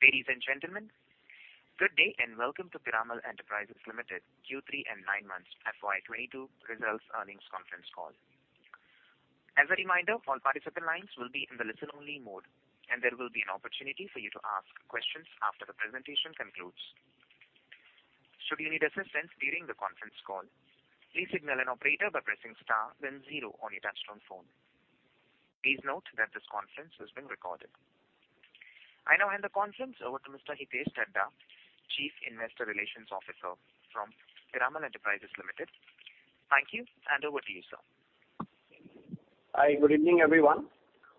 Ladies and gentlemen, good day and welcome to Piramal Enterprises Limited Q3 and nine months FY 2022 results earnings conference call. As a reminder, all participant lines will be in the listen-only mode, and there will be an opportunity for you to ask questions after the presentation concludes. Should you need assistance during the conference call, please signal an operator by pressing Star then zero on your touchtone phone. Please note that this conference is being recorded. I now hand the conference over to Mr. Hitesh Dhaddha, Chief Investor Relations Officer from Piramal Enterprises Limited. Thank you, and over to you, sir. Hi, good evening, everyone.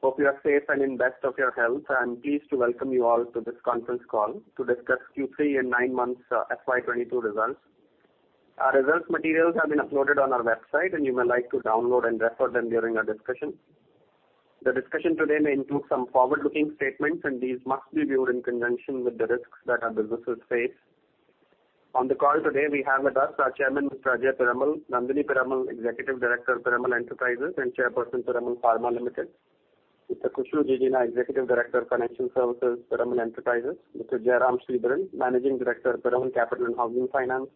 Hope you are safe and in best of your health. I'm pleased to welcome you all to this conference call to discuss Q3 and nine months, FY 2022 results. Our results materials have been uploaded on our website, and you may like to download and refer them during our discussion. The discussion today may include some forward-looking statements, and these must be viewed in conjunction with the risks that our businesses face. On the call today, we have with us our chairman, Mr. Ajay Piramal, Nandini Piramal, Executive Director, Piramal Enterprises, and Chairperson, Piramal Pharma Limited, Mr. Khushru Jijina, Executive Director, Financial Services, Piramal Enterprises, Mr. Jairam Sridharan, Managing Director, Piramal Capital & Housing Finance,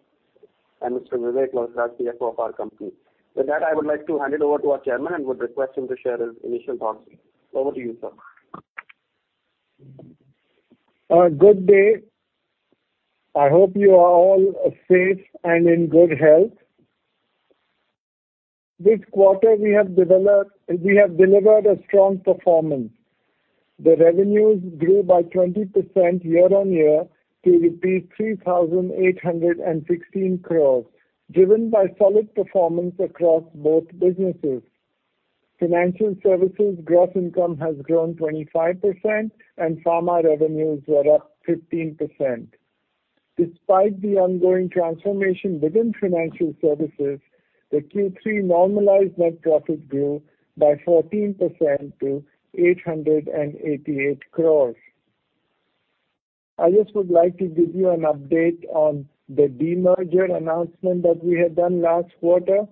and Mr. Vivek Valsaraj, CFO of our company. With that, I would like to hand it over to our chairman and would request him to share his initial thoughts. Over to you, sir. Good day. I hope you are all safe and in good health. We have delivered a strong performance. Revenues grew by 20% year-on-year to reach ₹3,816 crore, driven by solid performance across both businesses. Financial services gross income has grown 25%, and pharma revenues were up 15%. Despite the ongoing transformation within financial services, Q3 normalized net profit grew by 14% to ₹888 crore. I just would like to give you an update on the demerger announcement that we had done last quarter.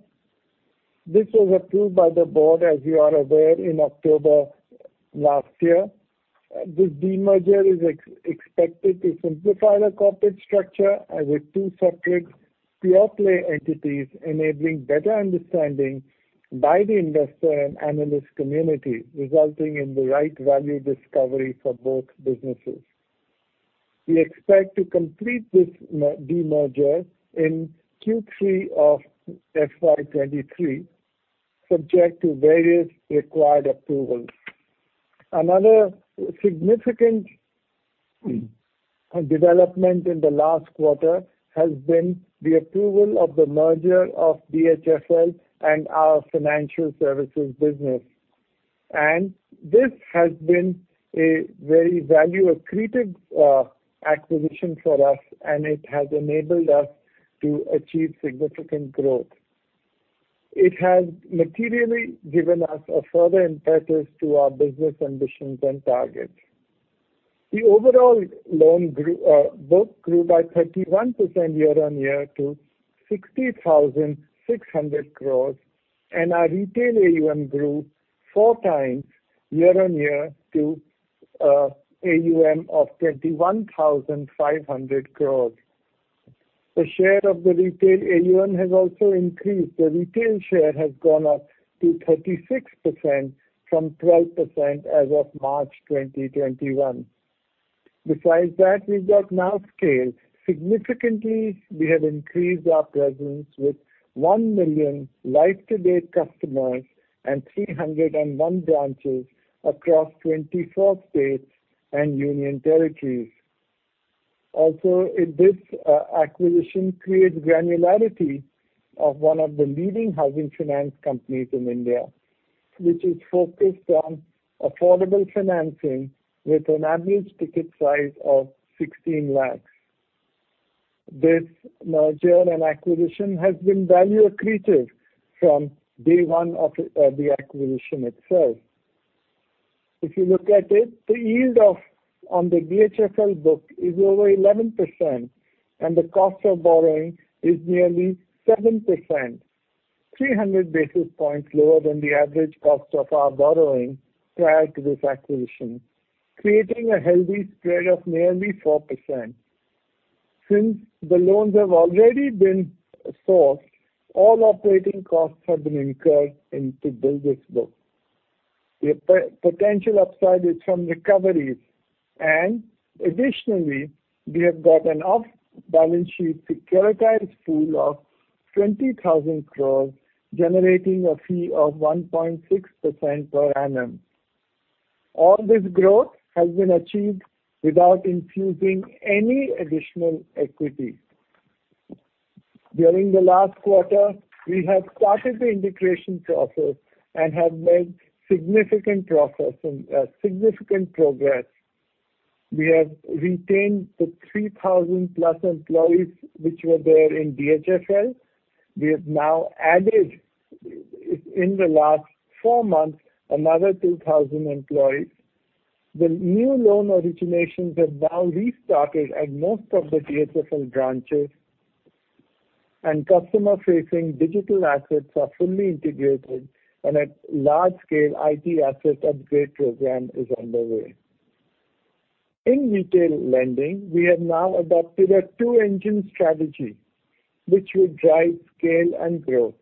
This was approved by the board, as you are aware, in October last year. This demerger is expected to simplify the corporate structure into two separate pure-play entities, enabling better understanding by the investor and analyst community, resulting in the right value discovery for both businesses. We expect to complete this demerger in Q3 of FY 2023, subject to various required approvals. Another significant development in the last quarter has been the approval of the merger of DHFL and our financial services business. This has been a very value-accretive acquisition for us, and it has enabled us to achieve significant growth. It has materially given us a further impetus to our business ambitions and targets. The overall loan book grew by 31% year-on-year to 60,600 crores, and our retail AUM grew 4 times year-on-year to AUM of 21,500 crores. The share of the retail AUM has also increased. The retail share has gone up to 36% from 12% as of March 2021. Besides that, we've got now scale. Significantly, we have increased our presence with one million life-to-date customers and 301 branches across 24 states and union territories. This acquisition creates granularity of one of the leading housing finance companies in India, which is focused on affordable financing with an average ticket size of 16 lakhs. This merger and acquisition has been value accretive from day one of the acquisition itself. If you look at it, the yield on the DHFL book is over 11%, and the cost of borrowing is nearly 7%, 300 basis points lower than the average cost of our borrowing prior to this acquisition, creating a healthy spread of nearly 4%. Since the loans have already been sourced, all operating costs have been incurred to build this book. The potential upside is from recoveries. Additionally, we have got an off-balance sheet securitized pool of 20,000 crore, generating a fee of 1.6% per annum. All this growth has been achieved without infusing any additional equity. During the last quarter, we have started the integration process and have made significant progress. We have retained the 3,000+ employees which were there in DHFL. We have now added, in the last four months, another 2,000 employees. The new loan originations have now restarted at most of the DHFL branches. Customer-facing digital assets are fully integrated, and a large-scale IT asset upgrade program is underway. In retail lending, we have now adopted a two-engine strategy which will drive scale and growth.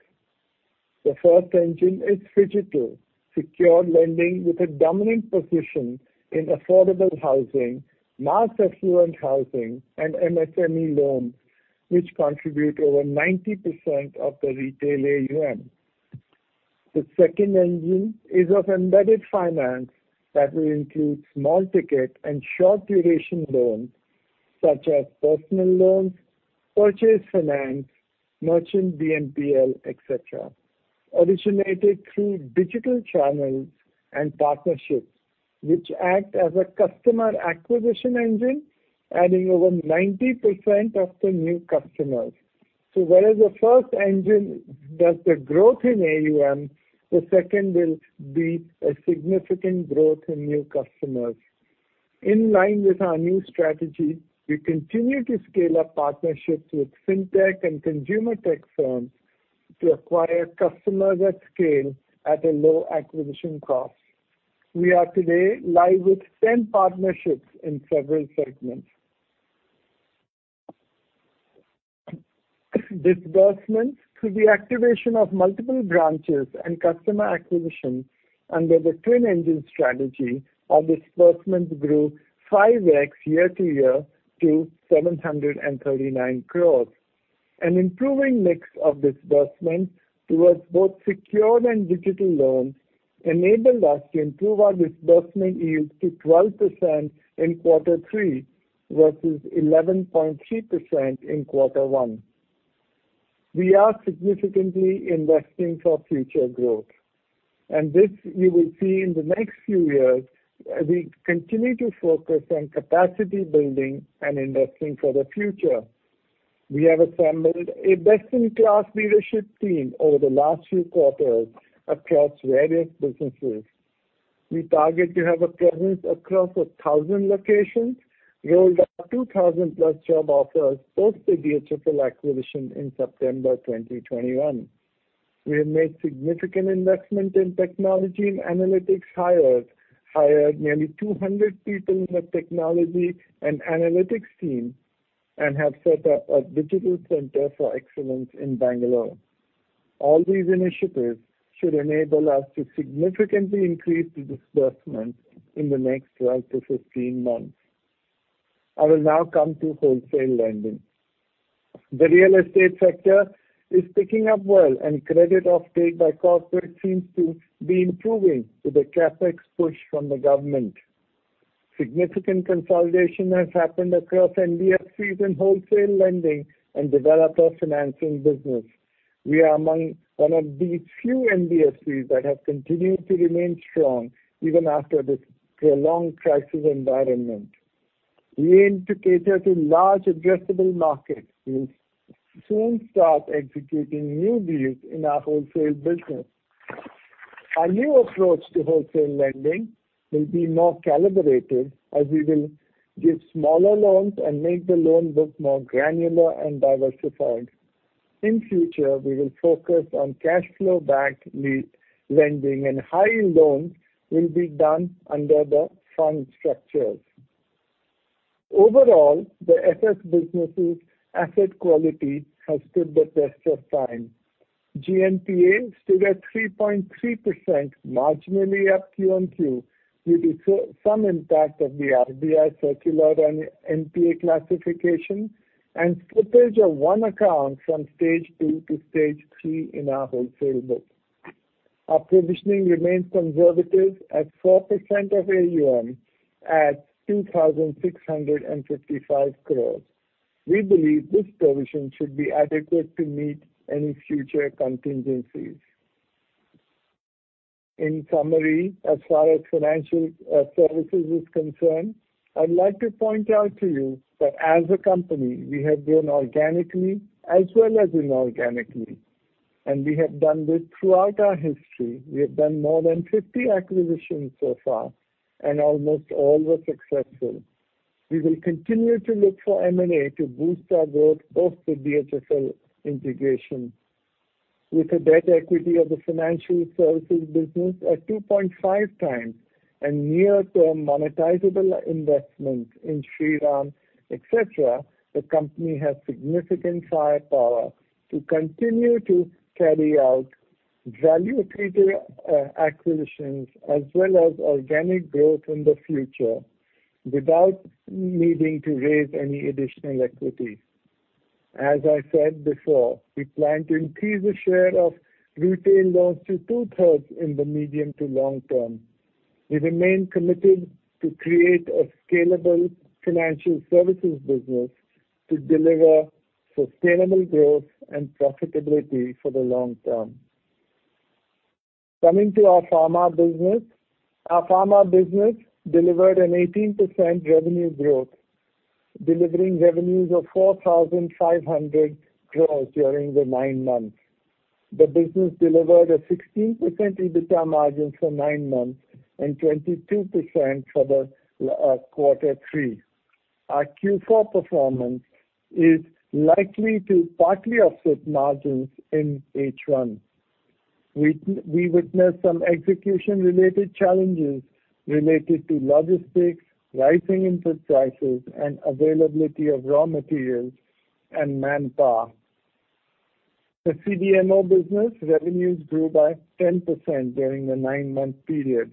The first engine is physical, secure lending with a dominant position in affordable housing, mass affluent housing and MSME loans, which contribute over 90% of the retail AUM. The second engine is of embedded finance that will include small ticket and short duration loans such as personal loans, purchase finance, merchant BNPL, et cetera, originated through digital channels and partnerships which act as a customer acquisition engine, adding over 90% of the new customers. Whereas the first engine does the growth in AUM, the second will be a significant growth in new customers. In line with our new strategy, we continue to scale up partnerships with Fintech and consumer tech firms to acquire customers at scale at a low acquisition cost. We are today live with 10 partnerships in several segments. Disbursements through the activation of multiple branches and customer acquisition under the twin engine strategy, our disbursements grew 5x year-to-year to 739 crore. An improving mix of disbursements towards both secured and digital loans enabled us to improve our disbursement yield to 12% in quarter three versus 11.3% in quarter one. We are significantly investing for future growth. This you will see in the next few years as we continue to focus on capacity building and investing for the future. We have assembled a best-in-class leadership team over the last few quarters across various businesses. We target to have a presence across 1,000 locations, rolled out 2,000+ job offers post the DHFL acquisition in September 2021. We have made significant investment in technology and analytics hires, hired nearly 200 people in the technology and analytics team, and have set up a digital center for excellence in Bangalore. All these initiatives should enable us to significantly increase the disbursement in the next 12-15 months. I will now come to wholesale lending. The real estate sector is picking up well, and credit offtake by corporate seems to be improving with the CapEx push from the government. Significant consolidation has happened across NBFCs in wholesale lending and developer financing business. We are among one of the few NBFCs that have continued to remain strong even after this prolonged crisis environment. We aim to cater to large addressable markets. We'll soon start executing new deals in our wholesale business. Our new approach to wholesale lending will be more calibrated, as we will give smaller loans and make the loan book more granular and diversified. In future, we will focus on cash flow backed lead lending, and high yield loans will be done under the fund structures. Overall, the FS businesses asset quality has stood the test of time. GNPA stood at 3.3%, marginally up QOQ due to some impact of the RBI circular and NPA classification and slippage of one account from stage two to stage three in our wholesale book. Our provisioning remains conservative at 4% of AUM at 2,655 crores. We believe this provision should be adequate to meet any future contingencies. In summary, as far as financial services is concerned, I'd like to point out to you that as a company, we have grown organically as well as inorganically, and we have done this throughout our history. We have done more than 50 acquisitions so far, and almost all were successful. We will continue to look for M&A to boost our growth post the DHFL integration. With a debt equity of the financial services business at 2.5 times and near-term monetizable investments in Shriram, et cetera, the company has significant firepower to continue to carry out value accretive acquisitions as well as organic growth in the future without needing to raise any additional equity. As I said before, we plan to increase the share of retail loans to two-thirds in the medium to long term. We remain committed to create a scalable financial services business to deliver sustainable growth and profitability for the long term. Coming to our pharma business. Our pharma business delivered an 18% revenue growth, delivering revenues of 4,500 crores during the nine months. The business delivered a 16% EBITDA margin for nine months and 22% for the quarter three. Our Q4 performance is likely to partly offset margins in H1. We witnessed some execution-related challenges related to logistics, rising input prices, and availability of raw materials and manpower. The CDMO business revenues grew by 10% during the nine-month period.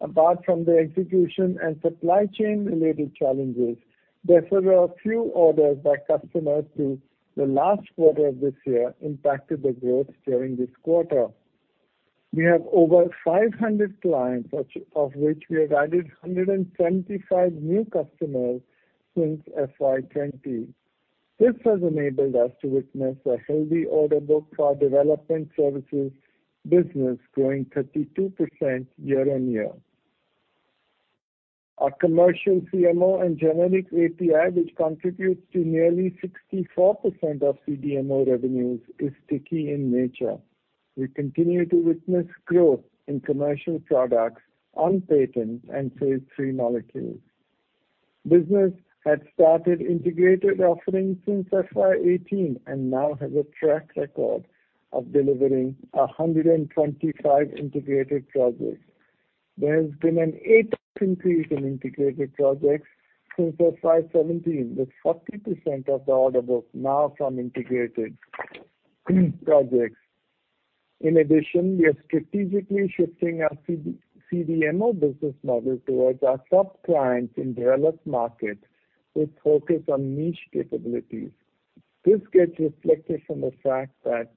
Apart from the execution and supply chain-related challenges, they deferred a few orders by customers to the last quarter of this year impacted the growth during this quarter. We have over 500 clients, which, of which we have added 175 new customers since FY 2020. This has enabled us to witness a healthy order book for our development services business growing 32% year-on-year. Our commercial CMO and generic API, which contributes to nearly 64% of CDMO revenues, is sticky in nature. We continue to witness growth in commercial products on patents and phase III molecules. Business had started integrated offerings since FY 2018 and now has a track record of delivering 125 integrated projects. There has been an 8% increase in integrated projects since FY 2017, with 40% of the order book now from integrated projects. In addition, we are strategically shifting our CDMO business model towards our top clients in developed markets with focus on niche capabilities. This gets reflected from the fact that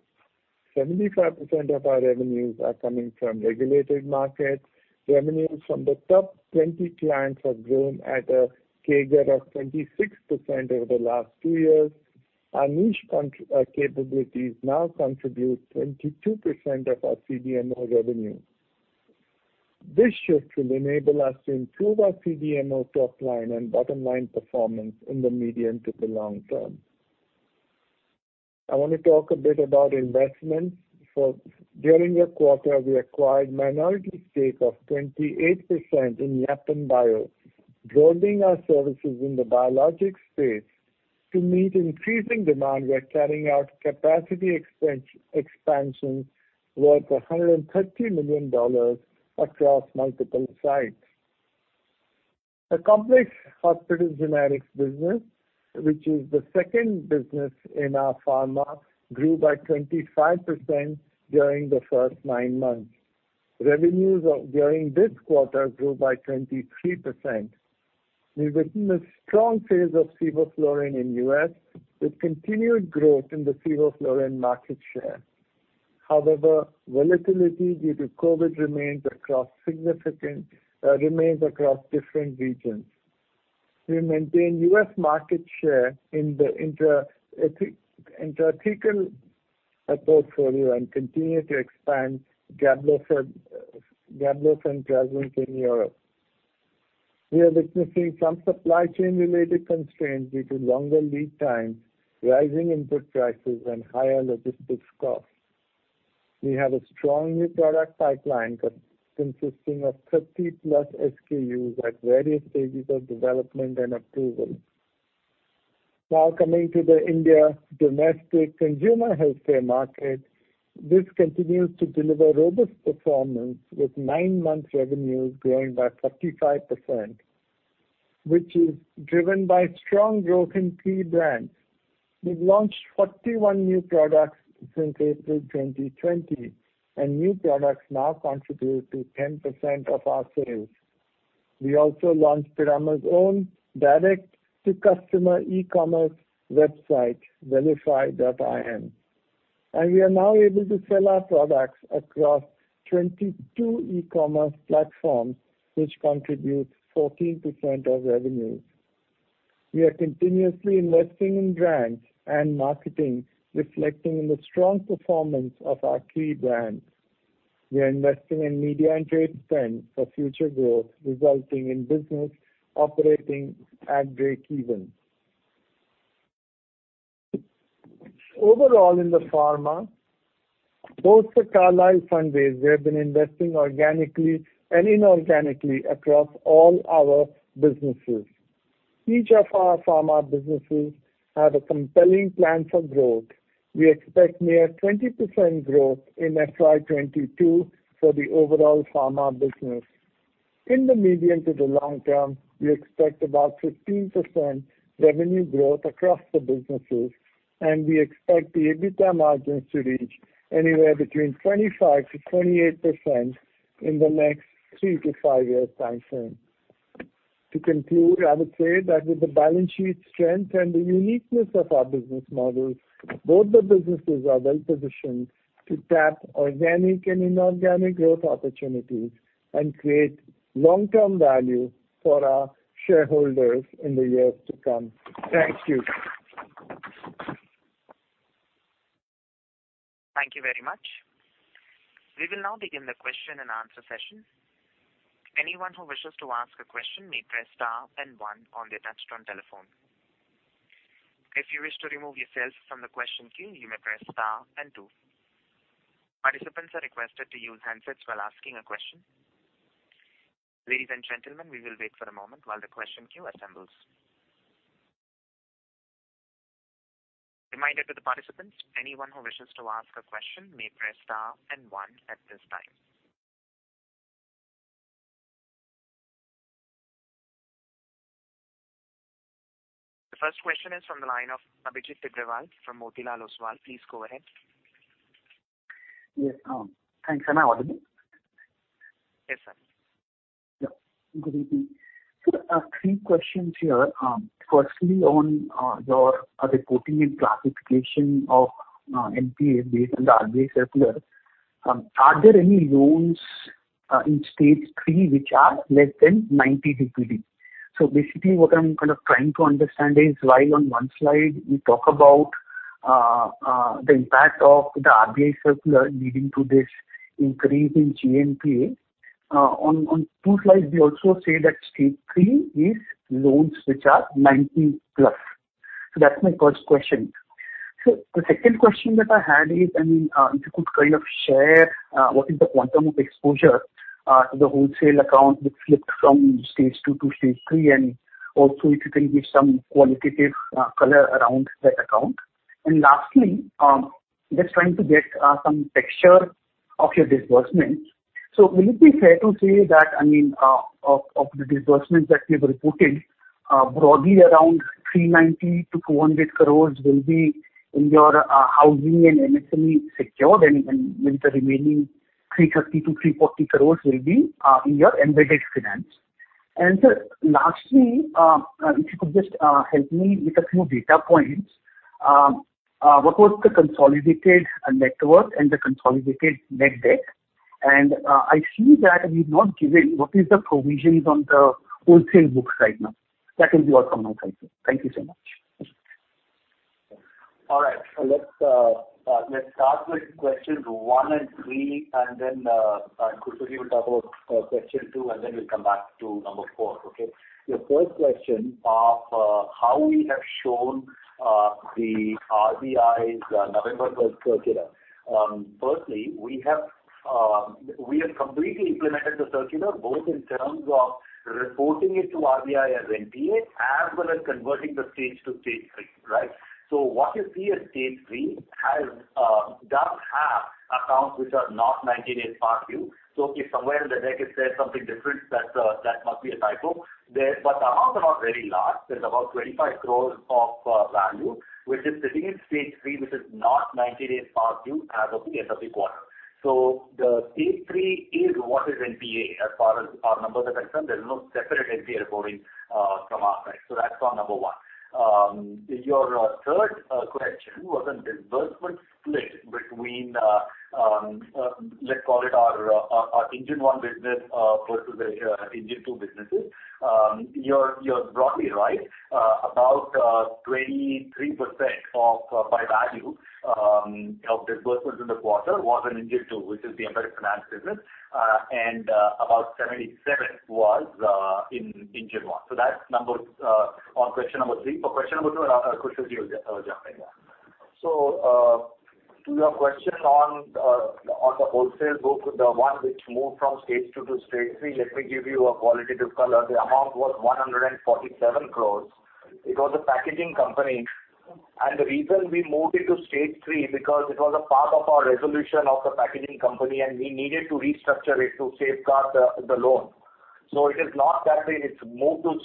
75% of our revenues are coming from regulated markets. Revenues from the top 20 clients have grown at a CAGR of 26% over the last two years. Our niche capabilities now contribute 22% of our CDMO revenue. This shift will enable us to improve our CDMO top line and bottom line performance in the medium to the long term. I wanna talk a bit about investments. During the quarter, we acquired minority stake of 28% in Yapan Bio, growing our services in the biologics space. To meet increasing demand, we are carrying out capacity expansion worth $130 million across multiple sites. The Complex Hospital Generics business, which is the second business in our pharma, grew by 25% during the first 9 months. Revenues during this quarter grew by 23%. We've witnessed strong sales of levofloxacin in U.S., with continued growth in the levofloxacin market share. However, volatility due to COVID remains across different regions. We maintain U.S. market share in the intraocular portfolio and continue to expand Gablofen and Travazent in Europe. We are witnessing some supply chain related constraints due to longer lead times, rising input prices and higher logistics costs. We have a strong new product pipeline consisting of 30+ SKUs at various stages of development and approval. Now coming to the India domestic consumer healthcare market. This continues to deliver robust performance with nine months revenues growing by 35%, which is driven by strong growth in key brands. We've launched 41 new products since April 2020, and new products now contribute to 10% of our sales. We also launched Piramal's own direct to customer e-commerce website, wellify.in, and we are now able to sell our products across 22 e-commerce platforms, which contributes 14% of revenues. We are continuously investing in brands and marketing, reflecting in the strong performance of our key brands. We are investing in media and trade spend for future growth, resulting in business operating at breakeven. Overall, in the pharma, post the Carlyle fundraise, we have been investing organically and inorganically across all our businesses. Each of our pharma businesses have a compelling plan for growth. We expect near 20% growth in FY 2022 for the overall pharma business. In the medium to the long term, we expect about 15% revenue growth across the businesses, and we expect the EBITDA margins to reach anywhere between 25%-28% in the next 3-5 year timeframe. To conclude, I would say that with the balance sheet strength and the uniqueness of our business models, both the businesses are well positioned to tap organic and inorganic growth opportunities and create long-term value for our shareholders in the years to come. Thank you. Thank you very much. We will now begin the question and answer session. Anyone who wishes to ask a question may press star and one on their touchtone telephone. If you wish to remove yourself from the question queue, you may press star and two. Participants are requested to use handsets while asking a question. Ladies and gentlemen, we will wait for a moment while the question queue assembles. Reminder to the participants, anyone who wishes to ask a question may press star and one at this time. The first question is from the line of Abhijit Tibrewal from Motilal Oswal. Please go ahead. Yes. Thanks. Am I audible? Yes, sir. Yeah. Good evening. Three questions here. Firstly, on your reporting and classification of NPA based on the RBI circular. Are there any loans in stage three which are less than 90 DPD? Basically, what I'm kind of trying to understand is, while on one slide you talk about the impact of the RBI circular leading to this increase in GNPA, on two slides we also say that stage three is loans which are 90 plus. That's my first question. The second question that I had is, I mean, if you could kind of share what is the quantum of exposure to the wholesale account which flipped from stage two to stage three, and also if you can give some qualitative color around that account. Lastly, just trying to get some picture of your disbursements. Will it be fair to say that, I mean, of the disbursements that we have reported, broadly around 390-200 crores will be in your housing and MSME secured, and with the remaining 350-340 crores will be in your embedded finance. Sir, lastly, if you could just help me with a few data points. What was the consolidated net worth and the consolidated net debt. I see that we've not given what is the provisions on the wholesale books right now. That will be all from my side, sir. Thank you so much. All right. Let's start with questions one and three, and then Khushru Jijina will talk about question two, and then we'll come back to number 4. Okay? Your first question of how we have shown the RBI's November one circular. Firstly, we have completely implemented the circular, both in terms of reporting it to RBI as NPA, as well as converting the stage two, stage three, right? What you see as stage three does have accounts which are not 90 days past due. If somewhere in the deck it says something different, that must be a typo. But the amounts are not very large. There's 25 crore of value which is sitting in stage three, which is not 90 days past due as of the end of the quarter. The stage three is what is NPA. As far as our numbers are concerned, there's no separate NPA reporting from our side. That's for number one. Your 3rd question was on disbursement split between let's call it our engine one business versus the engine two businesses. You're broadly right. About 23%, by value, of disbursements in the quarter was in engine two, which is the embedded finance business. And about 77% was in engine one. That's number on question number three. For question number two, Khushru Jijina will jump in now. To your question on the wholesale book, the one which moved from stage two to stage three, let me give you a qualitative color. The amount was 147 crore. It was a packaging company. The reason we moved it to stage three, because it was a part of our resolution of the packaging company, and we needed to restructure it to safeguard the loan. It is not that we need to move to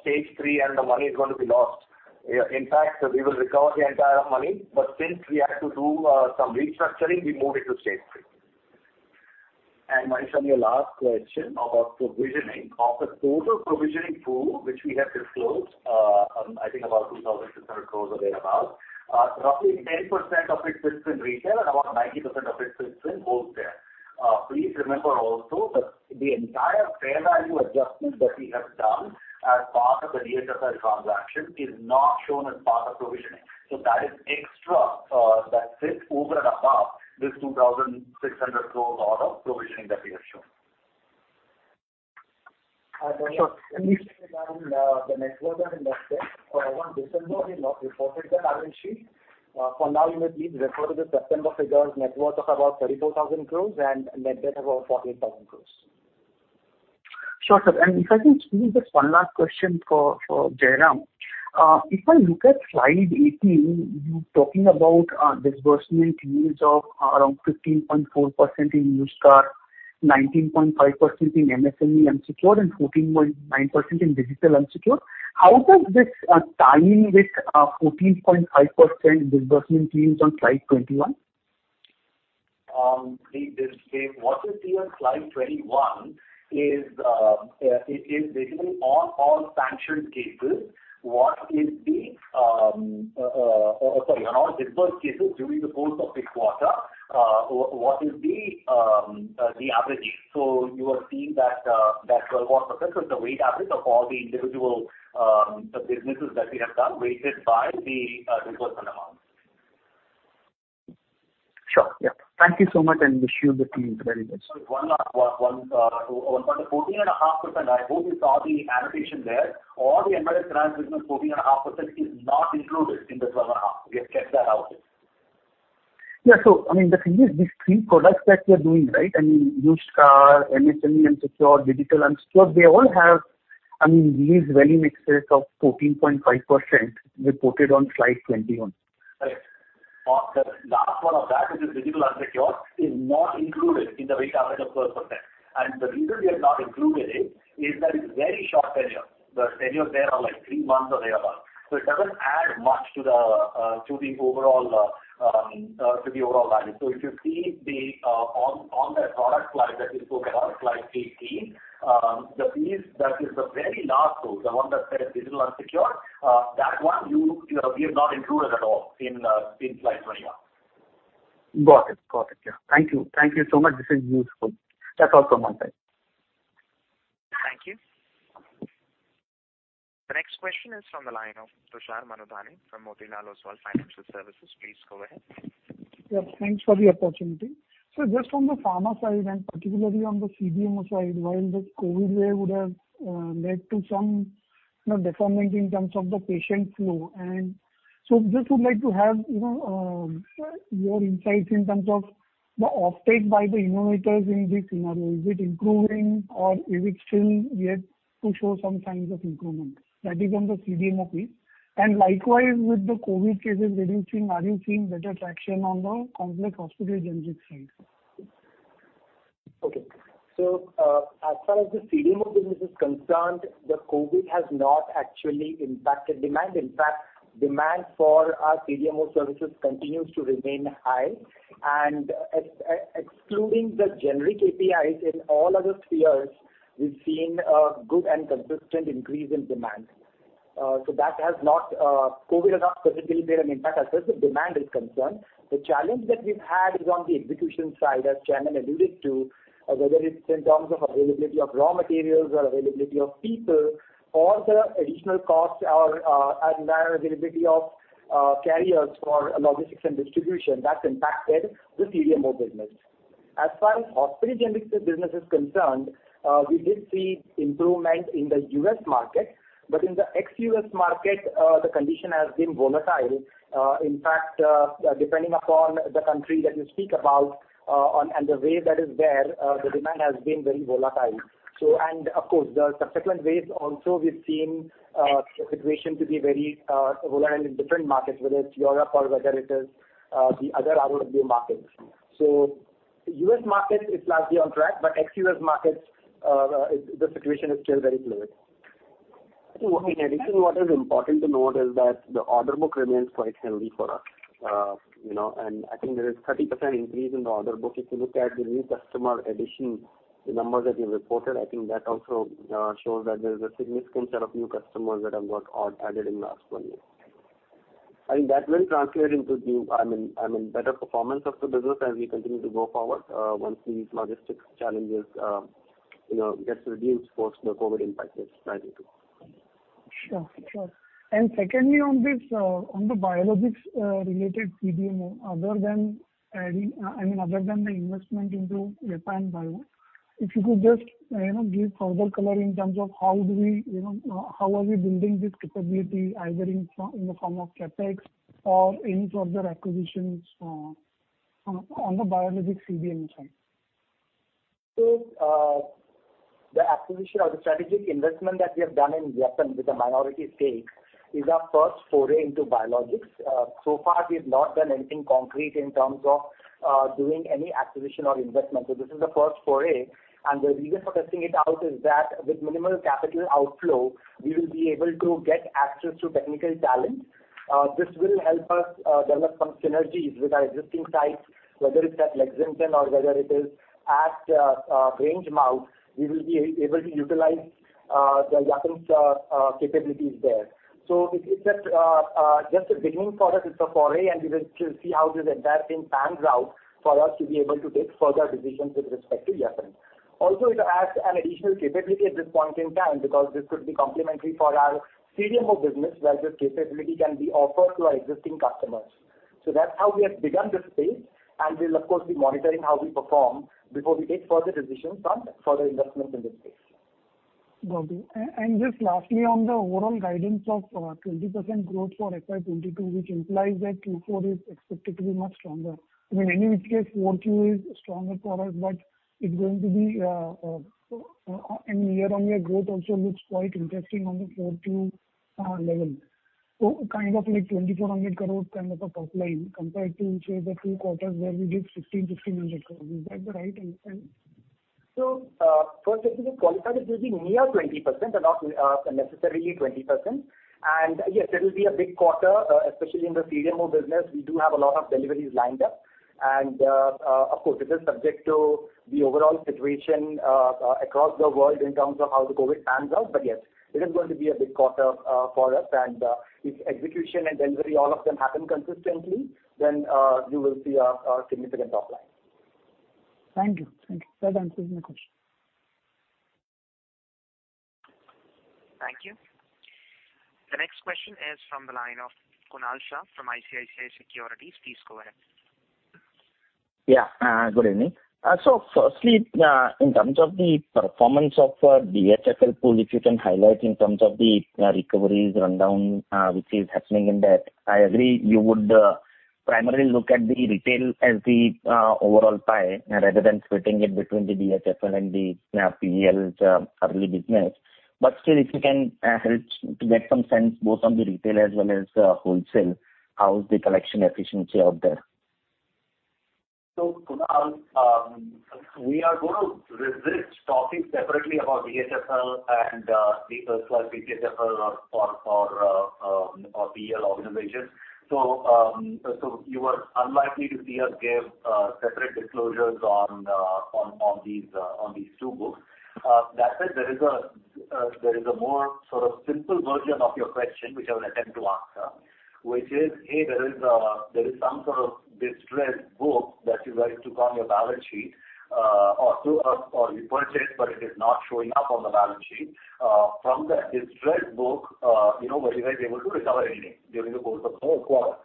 stage three and the money is gonna be lost. In fact, we will recover the entire money, but since we had to do some restructuring, we moved it to stage three. Manish on your last question about provisioning. Of the total provisioning pool which we have disclosed, I think about 2,600 crores or thereabout, roughly 10% of it sits in retail and about 90% of it sits in wholesale. Please remember also that the entire fair value adjustment that we have done as part of the DHFL transaction is not shown as part of provisioning. That is extra, that sits over and above this 2,600 crores of the provisioning that we have shown. Sure. The net worth and net debt for 31 December is not reported in our balance sheet. For now you may please refer to the September figures. Net worth of about 34,000 crore and net debt of about 48,000 crore. Sure, sir. If I can squeeze just one last question for Jairam. If I look at slide 18, you're talking about disbursement yields of around 15.4% in used car, 19.5% in MSME unsecured, and 14.9% in digital unsecured. How does this tie in with 14.5% disbursement yields on slide 21? What you see on slide 21 is basically on all disbursed cases during the course of this quarter, what is the average. You are seeing that 12-odd% is the weighted average of all the individual businesses that we have done weighted by the disbursement amount. Yeah. Thank you so much, and I wish you and the team the very best. One last one point of 14.5%, I hope you saw the annotation there. All the embedded grants business 14.5% is not included in the 12.5%. We have kept that out. Yeah. I mean, the thing is these three products that we are doing, right? I mean, used car, MSME and secure, digital unsecured, they all have, I mean, these varying mixtures of 14.5% reported on slide 21. Right. Of the last one of that, which is digital unsecured, is not included in the weighted average of 12%. The reason we have not included it is that it's very short tenure. The tenures there are like three months or thereabouts. It doesn't add much to the overall value. If you see the on the product slide that we spoke about, slide 18, the piece that is the very last row, the one that says digital unsecured, that one we have not included at all in slide 21. Got it. Yeah. Thank you. Thank you so much. This is useful. That's all from my side. Thank you. The next question is from the line of Tushar Manudhane from Motilal Oswal Financial Services. Please go ahead. Yeah, thanks for the opportunity. So just from the pharma side and particularly on the CDMO side, while the COVID wave would have led to some, you know, detriment in terms of the patient flow. Just would like to have, you know, your insights in terms of the offtake by the innovators in this scenario. Is it improving or is it still yet to show some signs of improvement? That is on the CDMO piece. Likewise, with the COVID cases reducing, are you seeing better traction on the complex hospital generics side? Okay. As far as the CDMO business is concerned, the COVID has not actually impacted demand. In fact, demand for our CDMO services continues to remain high. Excluding the generic APIs in all other spheres, we've seen a good and consistent increase in demand. That has not, COVID has not significantly made an impact as far as the demand is concerned. The challenge that we've had is on the execution side, as Chairman alluded to, whether it's in terms of availability of raw materials or availability of people or the additional costs or, and availability of carriers for logistics and distribution, that's impacted the CDMO business. As far as hospital generics business is concerned, we did see improvement in the U.S. market. In the ex-U.S. market, the condition has been volatile. In fact, depending upon the country that you speak about, on and the wave that is there, the demand has been very volatile. Of course, the subsequent waves also we've seen the situation to be very volatile in different markets, whether it's Europe or whether it is the other ROW markets. U.S. market is largely on track, but ex-U.S. markets the situation is still very fluid. I think what is important to note is that the order book remains quite healthy for us. You know, I think there is 30% increase in the order book. If you look at the new customer addition, the numbers that we've reported, I think that also shows that there is a significant set of new customers that have added in the last one year. I think that will translate into the, I mean, better performance of the business as we continue to go forward, once these logistics challenges, you know, gets reduced post the COVID impact is likely to. Sure. Secondly, on this, on the biologics related CDMO, other than the investment into Yapan Bio, if you could just, you know, give further color in terms of how do we, you know, how are we building this capability either in the form of CapEx or any further acquisitions, on the biologics CDMO side? The acquisition or the strategic investment that we have done in Yapan Bio with a minority stake is our first foray into biologics. So far we've not done anything concrete in terms of doing any acquisition or investment. This is the first foray, and the reason for testing it out is that with minimal capital outflow, we will be able to get access to technical talent. This will help us develop some synergies with our existing sites, whether it's at Lexington or whether it is at Grangemouth, we will be able to utilize the Yapan Bio's capabilities there. It's just a beginning for us. It's a foray, and we will see how this entire thing pans out for us to be able to take further decisions with respect to Yapan Bio. It adds an additional capability at this point in time because this could be complementary for our CDMO business, where this capability can be offered to our existing customers. That's how we have begun this space. We'll of course be monitoring how we perform before we take further decisions on further investments in this space. Got you. Just lastly on the overall guidance of 20% growth for FY 2022, which implies that Q4 is expected to be much stronger. I mean, any which case Q4 is stronger for us, but it's going to be year-on-year growth also looks quite interesting on the Q4 level. Kind of like 2,400 crore kind of a top line compared to say the three quarters where we did 1,615 crore. Is that the right understanding? First let me just qualify that it will be near 20% and not necessarily 20%. Yes, it will be a big quarter, especially in the CDMO business. We do have a lot of deliveries lined up. Of course, this is subject to the overall situation across the world in terms of how the COVID pans out. Yes, it is going to be a big quarter for us. If execution and delivery, all of them happen consistently, then you will see a significant top line. Thank you. That answers my question. Yes, from the line of Kunal Shah from ICICI Securities. Please go ahead. Yeah. Good evening. Firstly, in terms of the performance of DHFL pool, if you can highlight in terms of the recoveries rundown, which is happening in that. I agree you would primarily look at the retail as the overall pie, rather than splitting it between the DHFL and the PEL early business. Still, if you can help to get some sense both on the retail as well as wholesale, how is the collection efficiency out there? Kunal, we are going to resist talking separately about DHFL and the Sorry. DHFL for our PEL organization. You are unlikely to see us give separate disclosures on these two books. That said, there is a more sort of simple version of your question, which I will attempt to answer, which is there is some sort of distressed book that you guys took on your balance sheet or you purchased, but it is not showing up on the balance sheet. From the distressed book, you know, were you guys able to recover anything during the course of the quarter?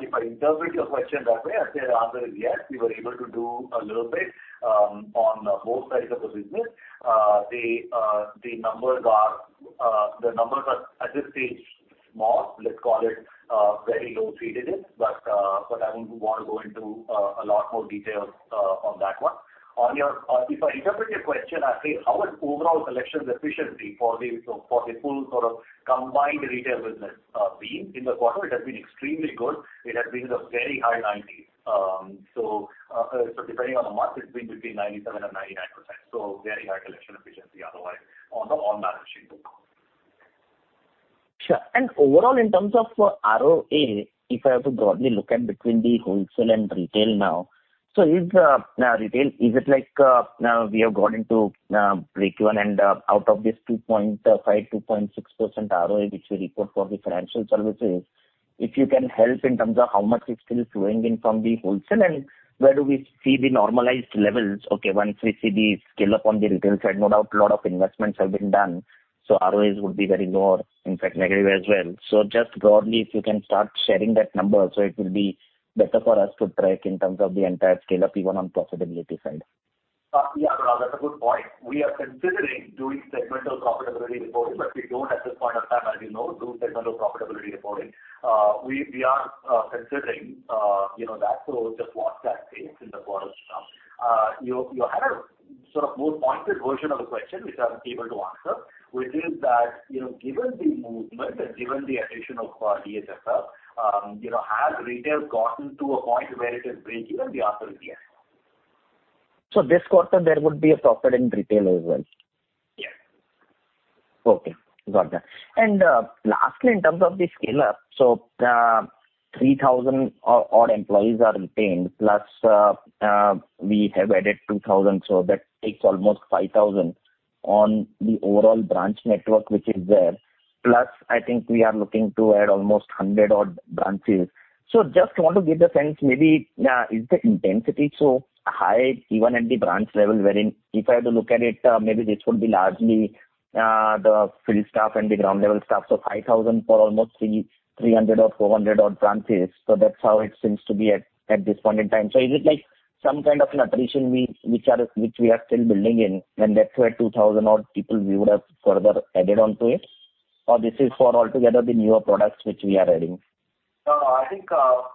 If I interpret your question that way, I'd say the answer is yes. We were able to do a little bit on both sides of the business. The numbers are at this stage small. Let's call it very low three digits. I wouldn't want to go into a lot more details on that one. If I interpret your question as saying how is overall collections efficiency for the full sort of combined retail business been in the quarter, it has been extremely good. It has been in the very high 90s. Depending on the month, it's been between 97%-99%. Very high collection efficiency otherwise on the on-balance-sheet book. Sure. Overall in terms of ROA, if I have to broadly look at between the wholesale and retail now, retail is it like now we have got into breakeven and out of this 2.5%-2.6% ROA, which we report for the financial services. If you can help in terms of how much is still flowing in from the wholesale and where do we see the normalized levels, okay, once we see the scale up on the retail side. No doubt a lot of investments have been done, so ROAs would be very low or in fact negative as well. Just broadly, if you can start sharing that number so it will be better for us to track in terms of the entire scale-up even on profitability side. Yeah. No, that's a good point. We are considering doing segmental profitability reporting, but we don't at this point of time, as you know, do segmental profitability reporting. We are considering, you know, that, so just watch that space in the quarters to come. You had a sort of more pointed version of the question which I'm able to answer, which is that, you know, given the movement and given the addition of DHFL, you know, has retail gotten to a point where it is breakeven? The answer is yes. This quarter there would be a profit in retail as well? Yes. Okay, got that. Lastly, in terms of the scale-up, 3,000-odd employees are retained, plus, we have added 2,000, so that takes almost 5,000 on the overall branch network which is there. Plus I think we are looking to add almost 100-odd branches. Just want to get a sense, maybe, is the intensity so high even at the branch level, wherein if I have to look at it, maybe this would be largely, the field staff and the ground level staff. 5,000 for almost 300 or 400-odd branches. That's how it seems to be at this point in time. Is it like some kind of an attrition, which we are still building in and that's why 2,000-odd people we would have further added on to it? Or this is for altogether the newer products which we are adding? I think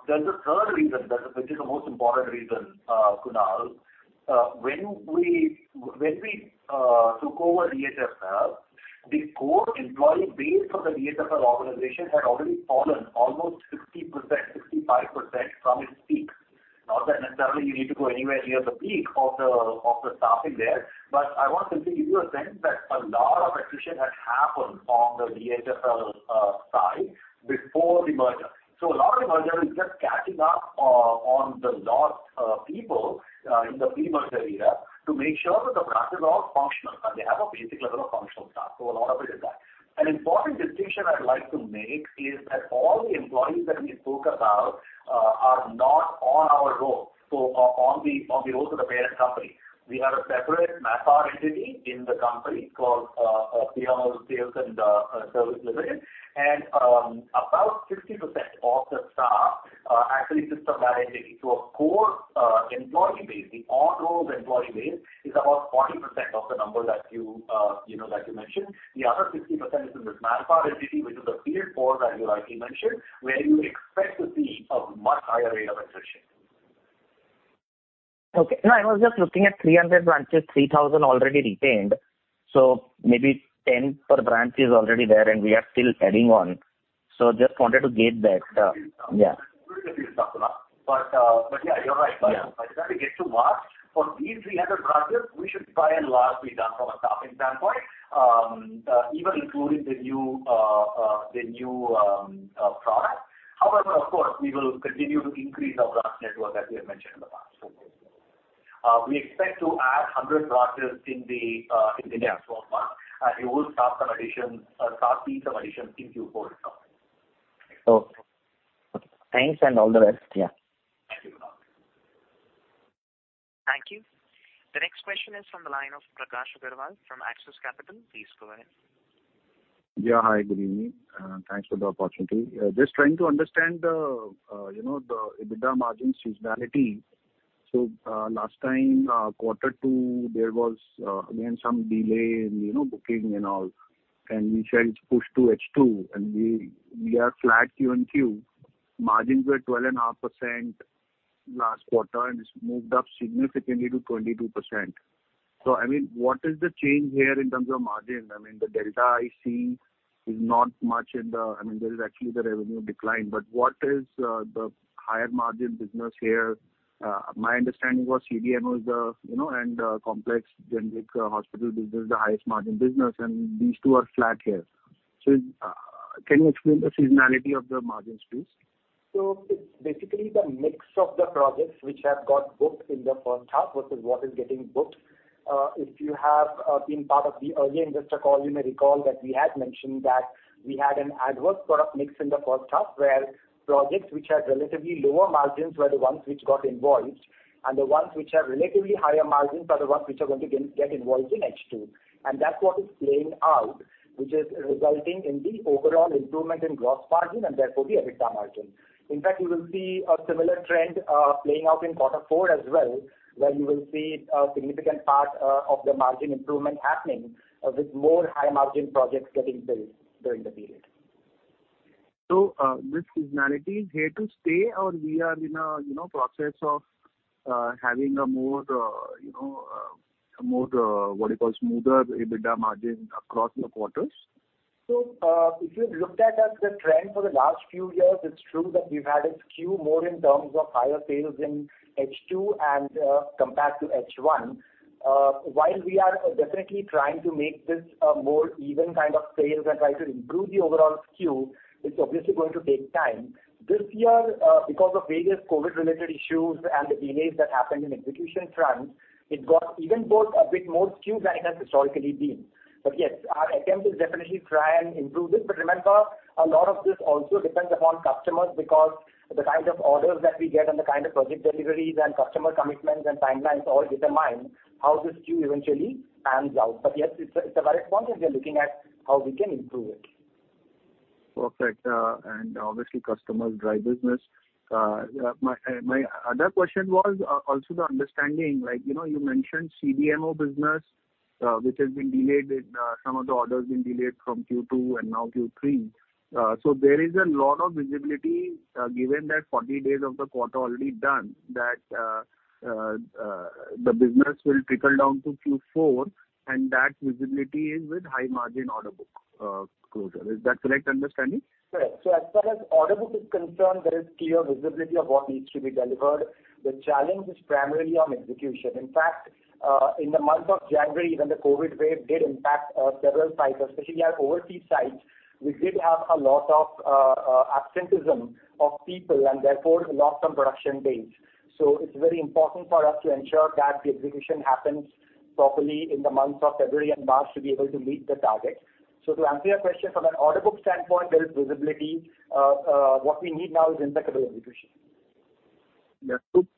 there's a third reason which is the most important reason, Kunal. When we took over DHFL, the core employee base of the DHFL organization had already fallen almost 60%-65% from its peak. Not that necessarily you need to go anywhere near the peak of the staffing there. I want to simply give you a sense that a lot of attrition had happened on the DHFL side before the merger. A lot of the merger is just catching up on the lost people in the pre-merger era to make sure that the branches are all functional. They have a basic level of functional staff, a lot of it is that. An important distinction I'd like to make is that all the employees that we spoke about are not on the rolls of the parent company. We have a separate uncertain in the company called Piramal Sales and Services Private Limited. About 60% of the staff are actually systemized into a core employee base. The on-roll employee base is about 40% of the number that you know that you mentioned. The other 60% is in this uncertain which is a shared core that you rightly mentioned, where you expect to see a much higher rate of attrition. Okay. No, I was just looking at 300 branches, 3,000 already retained, so maybe 10 per branch is already there, and we are still adding on. Just wanted to get that. Yeah. Could be a few, Kunal. Yeah, you're right. Yeah. By the time we get to March for these 300 branches, we should be pretty well done from a staffing standpoint, even including the new product. However, of course, we will continue to increase our branch network as we have mentioned in the past. Okay. We expect to add 100 branches in the next four months, and we will start seeing some addition in Q4 itself. Okay. Thanks, and all the best. Yeah. Question is from the line of Prakash Agarwal from Axis Capital. Please go ahead. Yeah. Hi, good evening. Thanks for the opportunity. Just trying to understand the, you know, the EBITDA margins seasonality. Last time, quarter two, there was again some delay in, you know, booking and all, and you said it's pushed to H2, and we are flat Q-o-Q. Margins were 12.5% last quarter, and it's moved up significantly to 22%. I mean, what is the change here in terms of margin? I mean, the delta I see is not much in the, I mean, there is actually the revenue decline, but what is the higher margin business here? My understanding was CDMO is the, you know, and complex generic, hospital business is the highest margin business, and these two are flat here. Can you explain the seasonality of the margins, please? It's basically the mix of the projects which have got booked in the first half versus what is getting booked. If you have been part of the earlier investor call, you may recall that we had mentioned that we had an adverse product mix in the first half, where projects which had relatively lower margins were the ones which got invoiced, and the ones which have relatively higher margins are the ones which are going to get invoiced in H2. That's what is playing out, which is resulting in the overall improvement in gross margin and therefore the EBITDA margin. In fact, you will see a similar trend playing out in quarter four as well, where you will see a significant part of the margin improvement happening with more high margin projects getting billed during the period. this seasonality is here to stay, or we are in a, you know, process of having a more, you know, what do you call, smoother EBITDA margin across the quarters? If you looked at the trend for the last few years, it's true that we've had a skew more in terms of higher sales in H2 and compared to H1. While we are definitely trying to make this a more even kind of sales and try to improve the overall skew, it's obviously going to take time. This year, because of various COVID-related issues and the delays that happened in execution front, it got even a bit more skewed than it has historically been. Yes, our attempt is definitely try and improve this. Remember, a lot of this also depends upon customers because the kinds of orders that we get and the kind of project deliveries and customer commitments and timelines all determine how the skew eventually pans out. Yes, it's a valid point, and we are looking at how we can improve it. Perfect. Obviously customers drive business. My other question was also the understanding, like, you know, you mentioned CDMO business, which has been delayed with some of the orders being delayed from Q2 and now Q3. There is a lot of visibility, given that 40 days of the quarter already done, that the business will trickle down to Q4, and that visibility is with high margin order book, closure. Is that correct understanding? Correct. As far as order book is concerned, there is clear visibility of what needs to be delivered. The challenge is primarily on execution. In fact, in the month of January, when the COVID wave did impact several sites, especially our overseas sites, we did have a lot of absenteeism of people and therefore lost production days. It's very important for us to ensure that the execution happens properly in the months of February and March to be able to meet the targets. To answer your question, from an order book standpoint, there is visibility. What we need now is impeccable execution.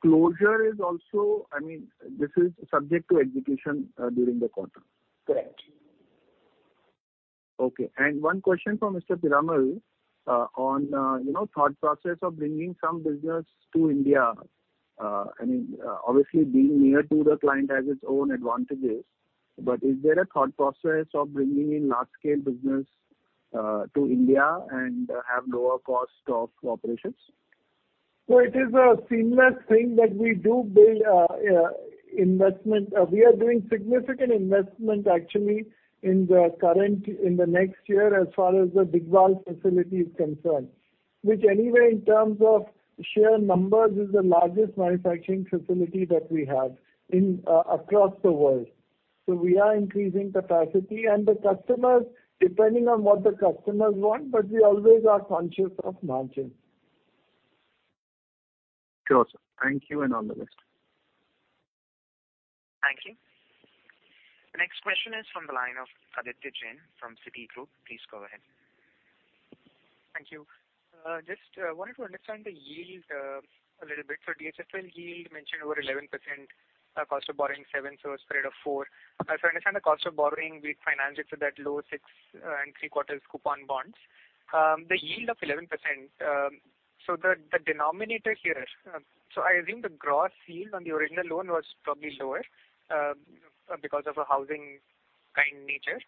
Closure is also. I mean, this is subject to execution during the quarter. Correct. Okay. One question for Mr. Piramal, on, you know, thought process of bringing some business to India. I mean, obviously being near to the client has its own advantages. Is there a thought process of bringing in large scale business, to India and have lower cost of operations? Well, it is a seamless thing that we do build investment. We are doing significant investment actually in the current year, in the next year as far as the Digwal facility is concerned, which anyway in terms of sheer numbers is the largest manufacturing facility that we have across the world. We are increasing capacity and the customers, depending on what the customers want, but we always are conscious of margin. Sure, sir. Thank you, and on the list. Thank you. The next question is from the line of Aditya Jain from Citi. Please go ahead. Thank you. Just wanted to understand the yield a little bit. DHFL yield mentioned over 11%, cost of borrowing 7%, so a spread of 4%. I understand the cost of borrowing we financed it to that low 6 3/4 coupon bonds. The yield of 11%, so the denominator here, I assume the gross yield on the original loan was probably lower because of a housing finance nature.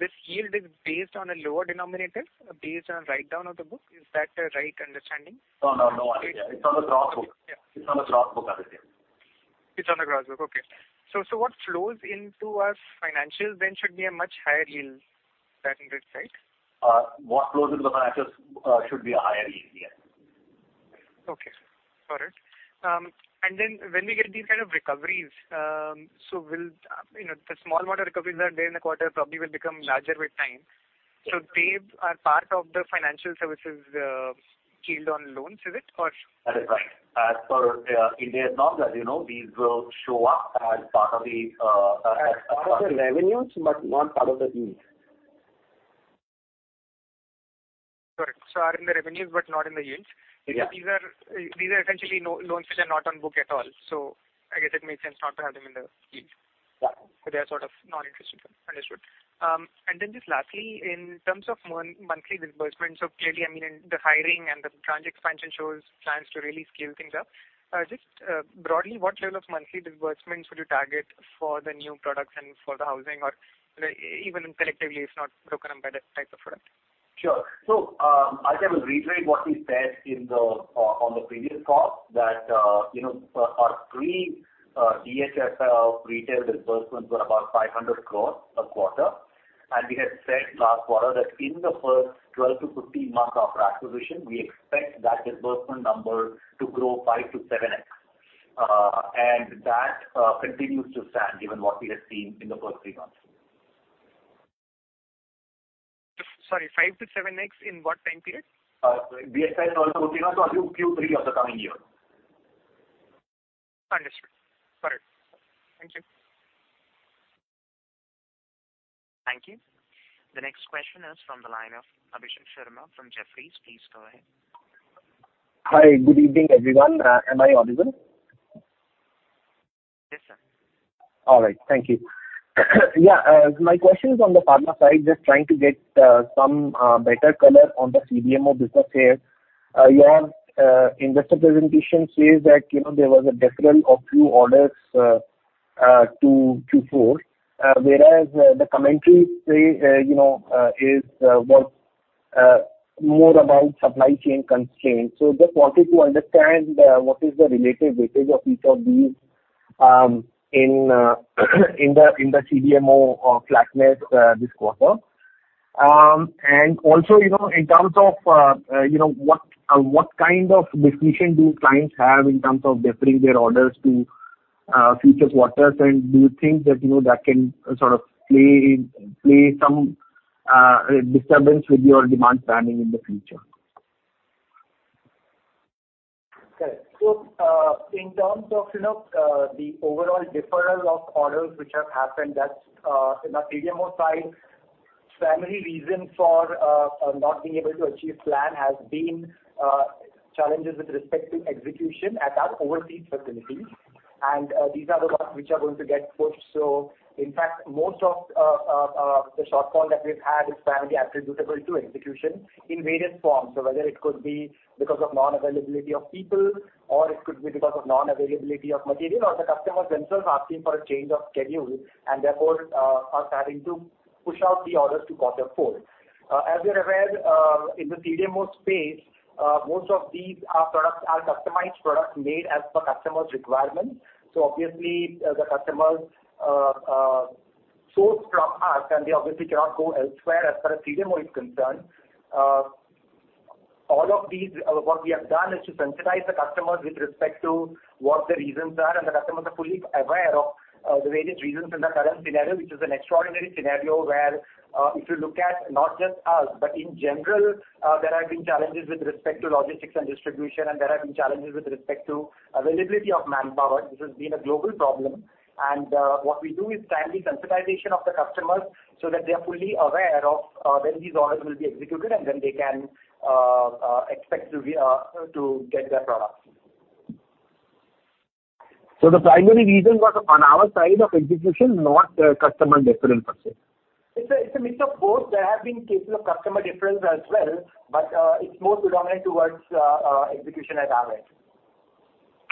This yield is based on a lower denominator based on write-down of the book. Is that the right understanding? No, no. It's on the gross book. Yeah. It's on the gross book, Aditya. It's on the gross book. Okay. What flows into our financials then should be a much higher yield than that, right? What flows into the financials should be a higher yield. Yes. Okay. Got it. When we get these kind of recoveries, you know, the small amount of recoveries that are there in the quarter probably will become larger with time. They are part of the financial services yield on loans, is it? Or- That is right. As per India's law, as you know, these will show up as part of the. As part of the revenues, but not part of the yield. Are in the revenues, but not in the yields. Yeah. These are essentially loans which are not on book at all. I guess it makes sense not to have them in the yield. Yeah. They are sort of non-interest income. Understood. Just lastly, in terms of monthly disbursements, so clearly, I mean, in the hiring and the branch expansion shows plans to really scale things up. Just, broadly, what level of monthly disbursements would you target for the new products and for the housing or even collectively, if not broken up by the type of product? Sure. I think I will reiterate what we said on the previous call that, you know, our pre-DHF retail disbursements were about 500 crore a quarter. We had said last quarter that in the first 12-15 months after acquisition, we expect that disbursement number to grow 5-7x. That continues to stand given what we have seen in the first three months. Sorry, 5-7x in what time period? DHF and also OTINA, so I think Q3 of the coming year. Understood. Got it. Thank you. Thank you. The next question is from the line of Abhishek Sharma from Jefferies. Please go ahead. Hi. Good evening, everyone. Am I audible? Yes, sir. All right. Thank you. My question is on the pharma side, just trying to get some better color on the CDMO business here. Your investor presentation says that, you know, there was a deferral of few orders to Q4. Whereas the commentary says, you know, is more about supply chain constraints. So just wanted to understand what is the relative weightage of each of these in the CDMO or pharma net this quarter. And also, you know, in terms of what kind of discretion do clients have in terms of deferring their orders to future quarters? And do you think that, you know, that can sort of play some disturbance with your demand planning in the future? Correct. In terms of, you know, the overall deferral of orders which have happened, that's in our CDMO side, primary reason for not being able to achieve plan has been challenges with respect to execution at our overseas facilities. These are the ones which are going to get pushed. In fact, most of the shortfall that we've had is primarily attributable to execution in various forms. Whether it could be because of non-availability of people or it could be because of non-availability of material or the customers themselves asking for a change of schedule and therefore us having to push out the orders to quarter four. As you're aware, in the CDMO space, most of these are customized products made as per customer's requirement. Obviously the customers source from us, and they obviously cannot go elsewhere as far as CDMO is concerned. All of these, what we have done is to sensitize the customers with respect to what the reasons are, and the customers are fully aware of the various reasons in the current scenario, which is an extraordinary scenario where, if you look at not just us, but in general, there have been challenges with respect to logistics and distribution, and there have been challenges with respect to availability of manpower. This has been a global problem. What we do is timely sensitization of the customers so that they are fully aware of when these orders will be executed and when they can expect to get their products. The primary reason was on our side of execution, not the customer deferral per se. It's a mix of both. There have been cases of customer deferral as well, but it's more predominant towards execution at our end.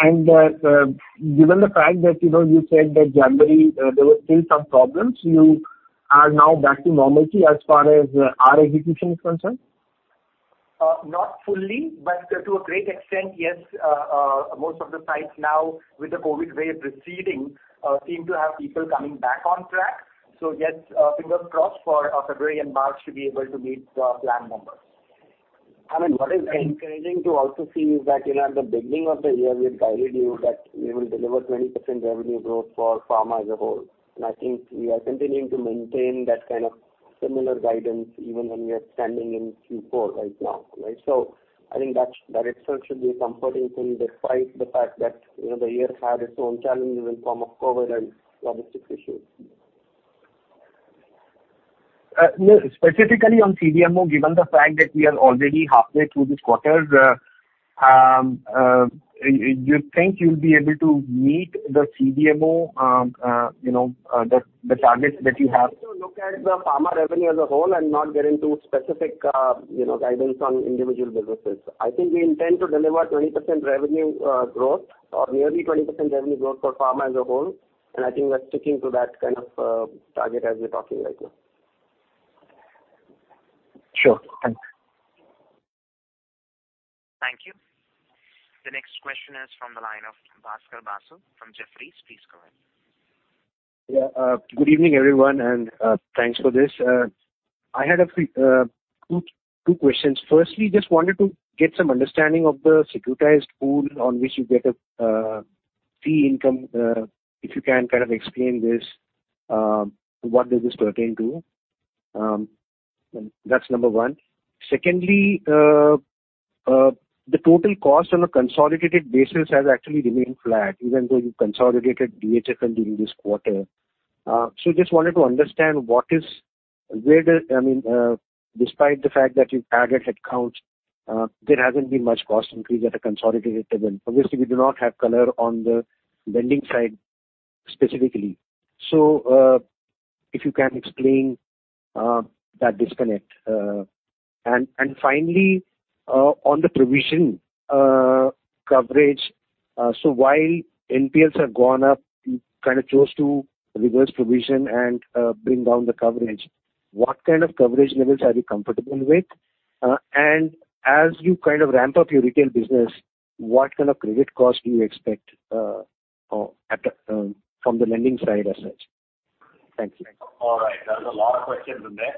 Given the fact that, you know, you said that January, there were still some problems, you are now back to normalcy as far as our execution is concerned? Not fully, but to a great extent, yes. Most of the sites now with the COVID wave receding seem to have people coming back on track. Yes, fingers crossed for February and March to be able to meet plan numbers. I mean, what is encouraging to also see is that, you know, at the beginning of the year, we had guided you that we will deliver 20% revenue growth for pharma as a whole. I think we are continuing to maintain that kind of similar guidance even when we are standing in Q4 right now, right? I think that itself should be a comforting thing, despite the fact that, you know, the year had its own challenges in form of COVID and logistic issues. Specifically on CDMO, given the fact that we are already halfway through this quarter, do you think you'll be able to meet the CDMO targets that you have? Look at the pharma revenue as a whole and not get into specific guidance on individual businesses. I think we intend to deliver 20% revenue growth or nearly 20% revenue growth for pharma as a whole. I think we're sticking to that kind of target as we're talking right now. Sure. Thanks. Thank you. The next question is from the line of Bhaskar Basu from Jefferies. Please go ahead. Yeah. Good evening, everyone, and thanks for this. I had a few two questions. Firstly, just wanted to get some understanding of the securitized pool on which you get a fee income, if you can kind of explain this, what does this pertain to? That's number one. Secondly, The total cost on a consolidated basis has actually remained flat even though you consolidated DHFL during this quarter. Just wanted to understand where the, I mean, despite the fact that you've added headcount, there hasn't been much cost increase at a consolidated level. Obviously, we do not have color on the lending side specifically. If you can explain that disconnect. Finally, on the provision coverage, while NPLs have gone up, you kind of chose to reverse provision and bring down the coverage. What kind of coverage levels are you comfortable with? As you kind of ramp up your retail business, what kind of credit cost do you expect or from the lending side as such? Thanks. All right. That's a lot of questions in there.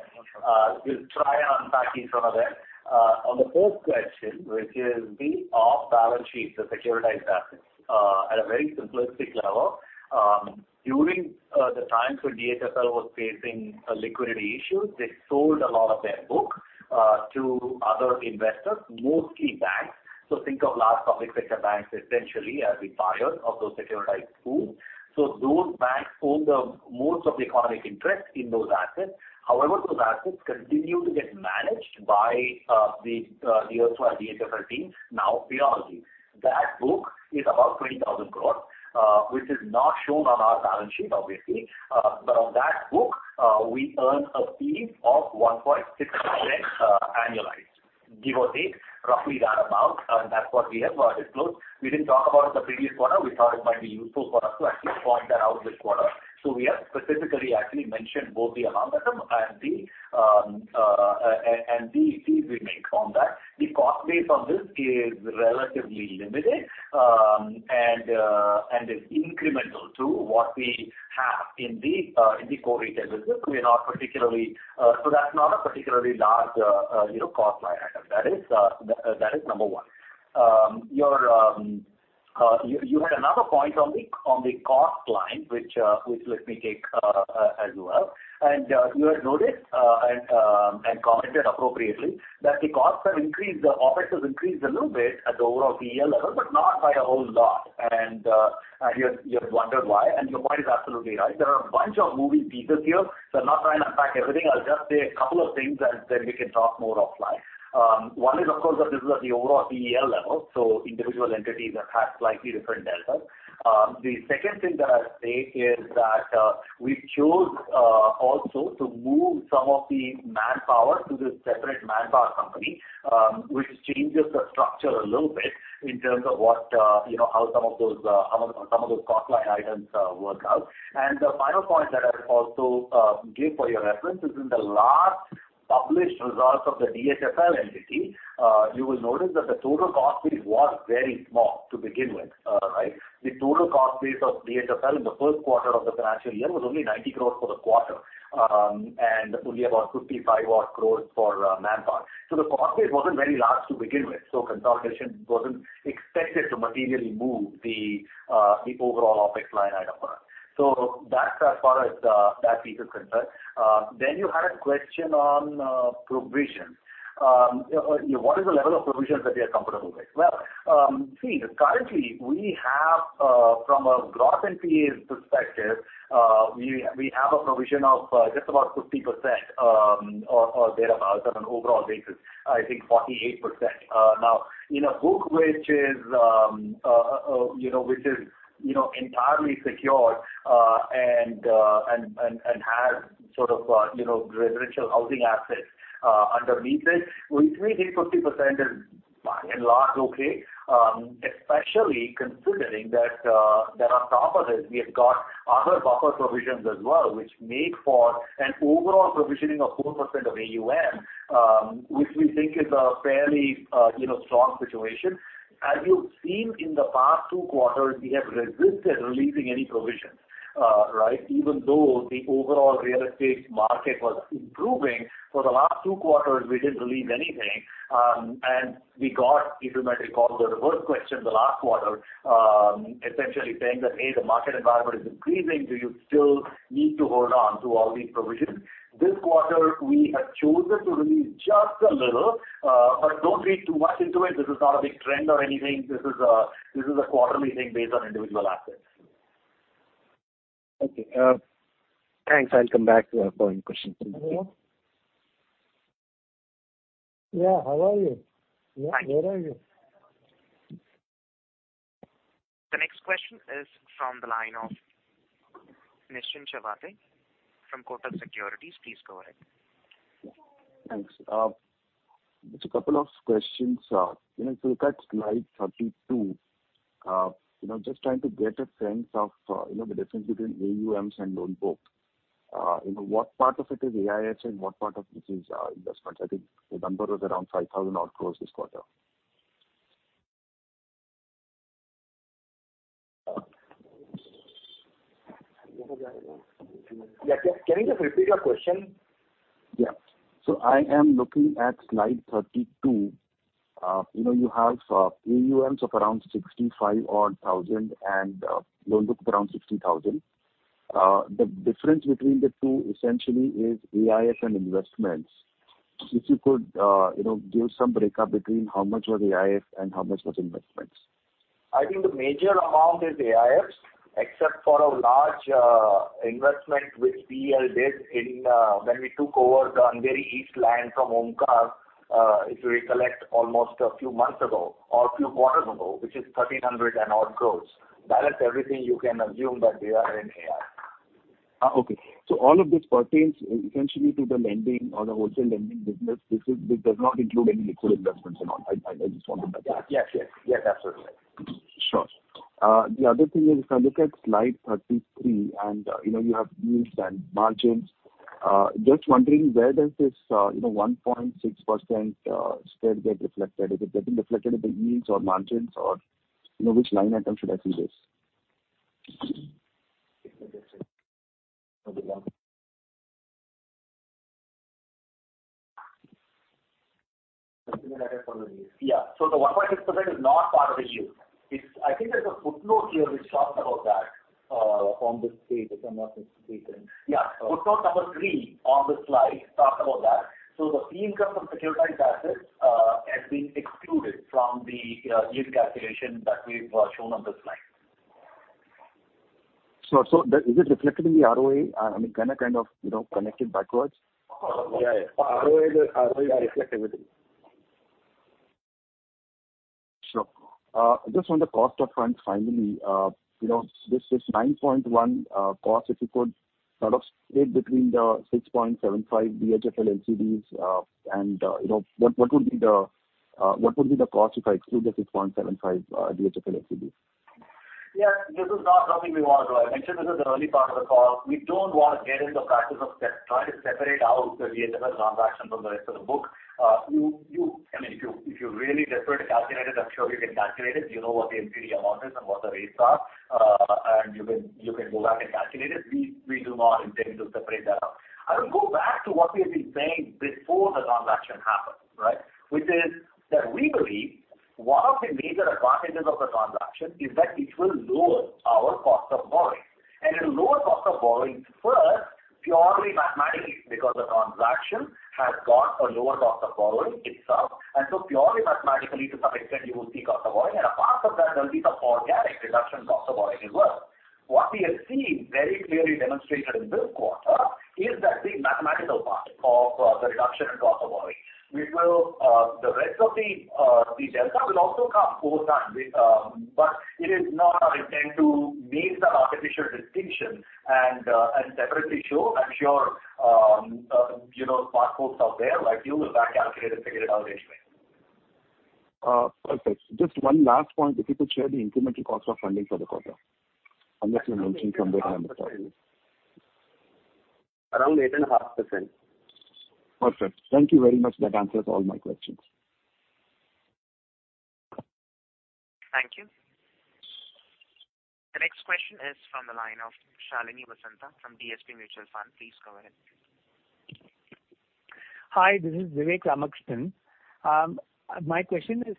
We'll try unpacking some of that. On the first question, which is the off-balance sheet, the securitized assets. At a very simplistic level, during the time when DHFL was facing a liquidity issue, they sold a lot of their book to other investors, mostly banks. Think of large public sector banks essentially as the buyers of those securitized pools. Those banks own the most of the economic interest in those assets. However, those assets continue to get managed by the DHFL team, now Piramal. That book is about 20,000 crores, which is not shown on our balance sheet, obviously. On that book, we earn a fee of 1.6%, annualized, give or take, roughly that amount, and that's what we have disclosed. We didn't talk about it the previous quarter. We thought it might be useful for us to actually point that out this quarter. We have specifically actually mentioned both the amount of them and the fees we make on that. The cost base on this is relatively limited and is incremental to what we have in the core retail business. That's not a particularly large, you know, cost line item. That is number one. You had another point on the cost line, which let me take as well. You had noticed and commented appropriately that the costs have increased, the OpEx has increased a little bit at the overall PEL level, but not by a whole lot. You wondered why, and your point is absolutely right. There are a bunch of moving pieces here, so I'll not try and unpack everything. I'll just say a couple of things and then we can talk more offline. One is, of course, that this is at the overall PEL level, so individual entities have had slightly different deltas. The second thing that I'd say is that we chose also to move some of the manpower to this separate manpower company, which changes the structure a little bit in terms of what you know how some of those cost line items work out. The final point that I'll also give for your reference is in the last published results of the DHFL entity you will notice that the total cost base was very small to begin with right. The total cost base of DHFL in the first quarter of the financial year was only 90 crore for the quarter and only about 55 odd crore for manpower. The cost base wasn't very large to begin with, so consolidation wasn't expected to materially move the overall OpEx line item for us. That's as far as that piece is concerned. You had a question on provision. What is the level of provisions that we are comfortable with? Well, see, currently we have from a gross NPL perspective, we have a provision of just about 50%, or thereabout on an overall basis. I think 48%. Now, in a book which is, you know, entirely secured, and has sort of, you know, residential housing assets, underneath it, we think 50% is by and large okay, especially considering that on top of this we have got other buffer provisions as well, which make for an overall provisioning of 4% of AUM, which we think is a fairly, you know, strong situation. As you've seen in the past two quarters, we have resisted releasing any provisions, right? Even though the overall real estate market was improving, for the last two quarters, we didn't release anything. We got, if you might recall the reverse question the last quarter, essentially saying that, "Hey, the market environment is increasing. Do you still need to hold on to all these provisions?" This quarter, we have chosen to release just a little, but don't read too much into it. This is not a big trend or anything. This is a quarterly thing based on individual assets. Okay. Thanks. I'll come back to our following questions. Hello? Yeah, how are you? Fine. Where are you? The next question is from the line of Nischint Chawathe from Kotak Securities. Please go ahead. Thanks. Just a couple of questions. You know, if you look at slide 32, you know, just trying to get a sense of, you know, the difference between AUMs and loan book. You know, what part of it is AIF and what part of it is investments? I think the number was around 5,000 crore this quarter. Yeah. Can you just repeat your question? I am looking at slide 32. You know, you have AUMs of around 65,000 and loan book around 60,000. The difference between the two essentially is AIF and investments. If you could, you know, give some break up between how much was AIF and how much was investments. I think the major amount is AIFs, except for a large investment which PEL did in when we took over the Andheri East land from Omkar. If you recollect almost a few months ago or a few quarters ago, which is 1,300-odd crore. Balance everything you can assume that they are in AIF. Okay. All of this pertains essentially to the lending or the wholesale lending business. This does not include any liquid investments at all. I just want to double check. Yes, yes. Yes, absolutely. Sure. The other thing is if I look at slide 33 and, you know, you have yields and margins. Just wondering where does this, you know, 1.6% spread get reflected? Is it getting reflected in the yields or margins or, you know, which line item should I see this? Yeah. The 1.6% is not part of the yield. It's. I think there's a footnote here which talks about that. On this page. I'm not Yeah. Footnote number three on the slide talks about that. The fee income from securitized assets has been excluded from the yield calculation that we've shown on this slide. Sure. Is it reflected in the ROA? I mean, can I kind of, you know, connect it backwards? Yeah, yeah. ROA will reflect everything. Sure. Just on the cost of funds finally. You know, this is 9.1% cost. If you could sort of split between the 6.75% DHFL NCDs. You know, what would be the cost if I exclude the 6.75% DHFL NCDs? Yeah. This is not something we want to do. I mentioned this is the early part of the call. We don't want to get into the practice of trying to separate out the DHFL transactions from the rest of the book. I mean, if you really desperate to calculate it, I'm sure you can calculate it. You know what the NCD amount is and what the rates are. And you can go back and calculate it. We do not intend to separate that out. I would go back to what we have been saying before the transaction happened, right? Which is that we believe one of the major advantages of the transaction is that it will lower our cost of borrowing. It'll lower cost of borrowing first purely mathematically because the transaction has got a lower cost of borrowing itself. Purely mathematically to some extent you will see cost of borrowing. Apart from that, there'll be some organic reduction in cost of borrowing as well. What we have seen very clearly demonstrated in this quarter is that the mathematical part of the reduction in cost of borrowing. The rest of the delta will also come through. It is not our intent to make that artificial distinction and separately show. I'm sure you know, smart folks out there like you will back calculate and figure it out anyway. Perfect. Just one last point. If you could share the incremental cost of funding for the quarter. Unless you mentioned somewhere and I missed out. Around 8.5%. Perfect. Thank you very much. That answers all my questions. Thank you. The next question is from the line of Shalini Vasanta from DSP Mutual Fund. Please go ahead. Hi, this is Vivek Ramakrishnan. My question is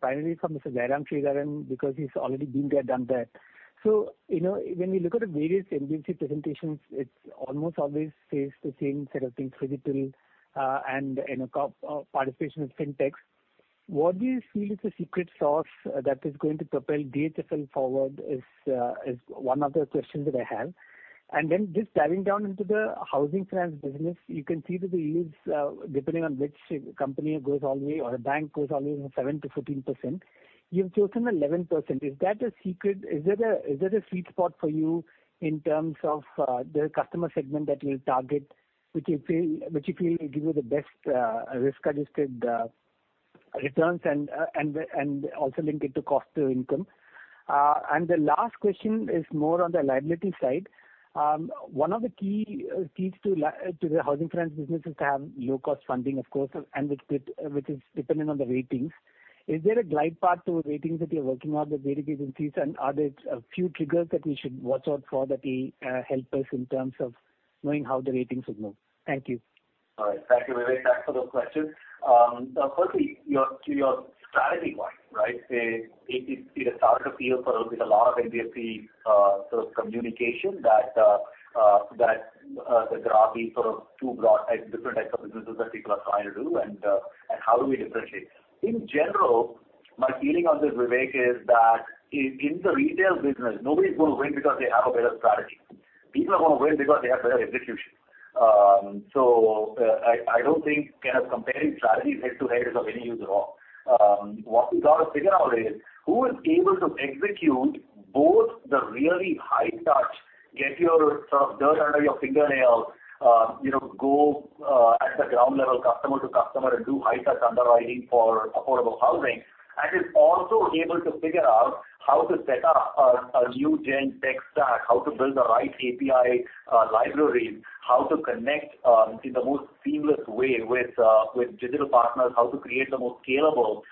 primarily for Mr. Jairam Sridharan because he's already been there, done that. You know, when we look at the various NBFC presentations, it's almost always says the same set of things, digital, and co-participation with Fintechs. What do you feel is the secret sauce that is going to propel DHFL forward is one of the questions that I have. Then just diving down into the housing finance business, you can see that the yields, depending on which company goes all the way or a bank goes all the way from 7%-15%. You've chosen 11%. Is that a secret? Is that a sweet spot for you in terms of the customer segment that you'll target, which you feel will give you the best risk-adjusted returns and also link it to cost to income? The last question is more on the liability side. One of the keys to the housing finance business is to have low cost funding, of course, and which is dependent on the ratings. Is there a glide path to ratings that you're working on with the rating agencies? Are there a few triggers that we should watch out for that will help us in terms of knowing how the ratings would move? Thank you. All right. Thank you, Vivek. Thanks for those questions. So firstly, to your strategy one, right? It is at the start of the year for a little bit, a lot of NBFC sort of communication that there are these sort of two broad types, different types of businesses that people are trying to do and how do we differentiate? In general, my feeling on this, Vivek, is that in the retail business, nobody's gonna win because they have a better strategy. People are gonna win because they have better execution. So, I don't think kind of comparing strategies head-to-head is of any use at all. What we got to figure out is who is able to execute both the really high touch, get your sort of dirt under your fingernails, you know, go at the ground level customer to customer and do high touch underwriting for affordable housing, and is also able to figure out how to set up a new gen tech stack, how to build the right API libraries, how to connect in the most seamless way with digital partners, how to create the most scalable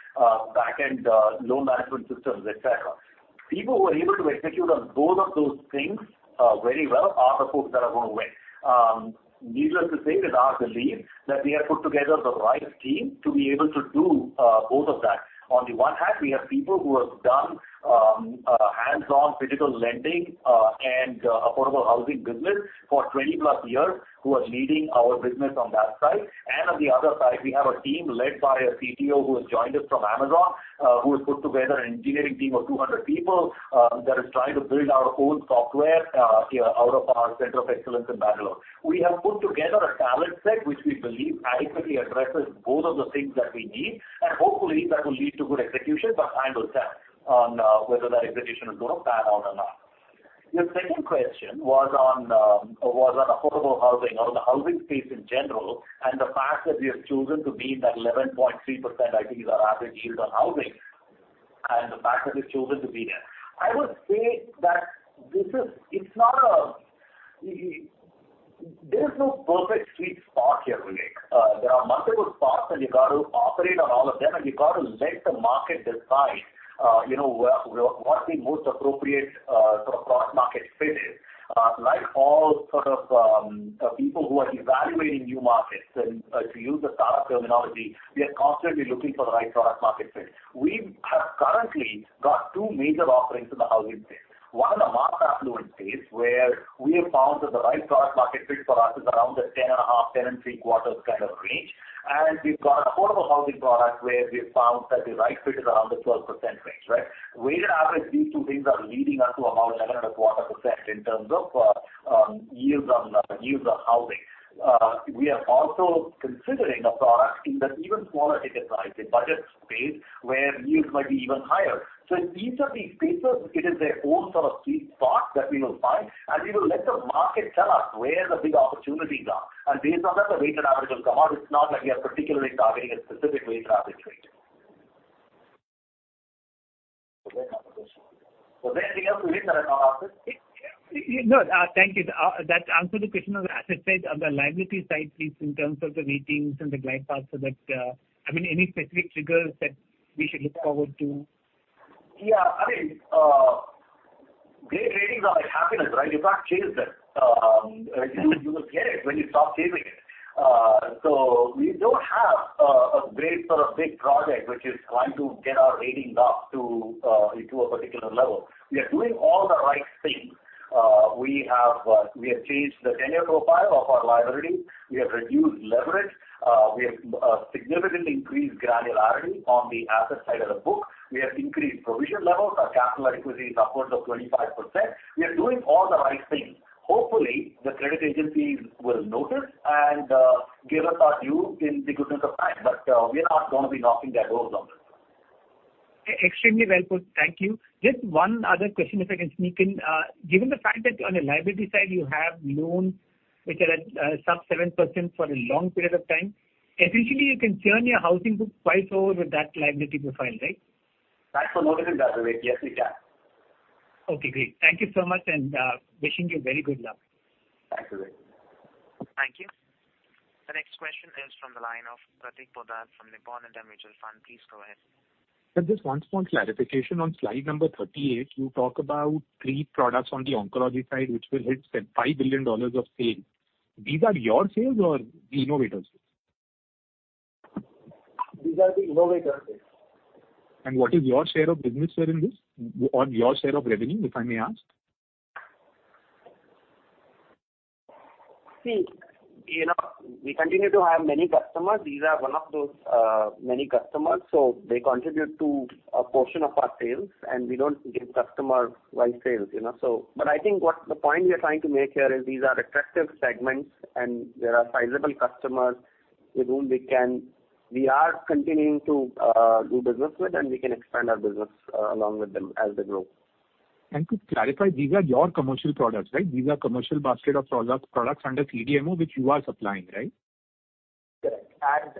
backend loan management systems, et cetera. People who are able to execute on both of those things very well are the folks that are gonna win. Needless to say that our belief that we have put together the right team to be able to do both of that. On the one hand, we have people who have done hands-on physical lending and affordable housing business for 20+ years who are leading our business on that side. On the other side, we have a team led by a CTO who has joined us from Amazon who has put together an engineering team of 200 people that is trying to build our own software here out of our center of excellence in Bangalore. We have put together a talent set which we believe adequately addresses both of the things that we need, and hopefully that will lead to good execution. Time will tell on whether that execution is gonna pan out or not. Your second question was on affordable housing or the housing space in general, and the fact that we have chosen to be in that 11.3%, I think is our average yield on housing, and the fact that we've chosen to be there. I would say that there is no perfect sweet spot here, Vivek. There are multiple spots, and you got to operate on all of them, and you got to let the market decide, you know, what the most appropriate sort of product market fit is. Like all sort of people who are evaluating new markets, and to use the startup terminology, we are constantly looking for the right product market fit. We have currently got two major offerings in the housing space. One in the mass affluent space, where we have found that the right product market fit for us is around the 10.5-10.75 kind of range. We've got affordable housing product where we've found that the right fit is around the 12% range, right? Weighted average, these two things are leading us to about 11.25% in terms of yields on housing. We are also considering a product in that even smaller ticket size, the budget space, where yields might be even higher. In each of these spaces, it is their own sort of sweet spot that we will find, and we will let the market tell us where the big opportunities are. Based on that, the weighted average will come out. It's not that we are particularly targeting a specific weighted average rate. Was there any other question? Was there anything else, Vivek, that I can answer? No. Thank you. That answered the question. As I said, on the liability side, please, in terms of the ratings and the glide path, so that, I mean, any specific triggers that we should look forward to? Yeah. I mean, great ratings are like happiness, right? You can't chase them. You will get it when you stop chasing it. We don't have a great sort of big project which is trying to get our rating up to a particular level. We are doing all the right things. We have changed the tenure profile of our liability. We have reduced leverage. We have significantly increased granularity on the asset side of the book. We have increased provision levels. Our capital adequacy is upwards of 25%. We are doing all the right things. Hopefully, the credit agencies will notice and give us our due in the goodness of time. We are not gonna be knocking their doors on this. Extremely well put. Thank you. Just one other question, if I can sneak in. Given the fact that on the liability side you have loans which are at sub 7% for a long period of time, essentially you can turn your housing book twice over with that liability profile, right? That's one way to look at it. Yes, we can. Okay, great. Thank you so much, and wishing you very good luck. Thanks, Vivek. Thank you. The next question is from the line of Prateek Poddar from Nippon India Mutual Fund. Please go ahead. Sir, just one small clarification. On slide number 38, you talk about three products on the oncology side which will hit, say, $5 billion of sales. These are your sales or the innovator's sales? These are the innovator sales. What is your share of business there in this? Or your share of revenue, if I may ask? See, you know, we continue to have many customers. These are one of those many customers. They contribute to a portion of our sales, and we don't give customer-wide sales, you know. I think what the point we are trying to make here is these are attractive segments, and there are sizable customers with whom we are continuing to do business with, and we can expand our business along with them as they grow. To clarify, these are your commercial products, right? These are commercial basket of products under CDMO which you are supplying, right? Correct.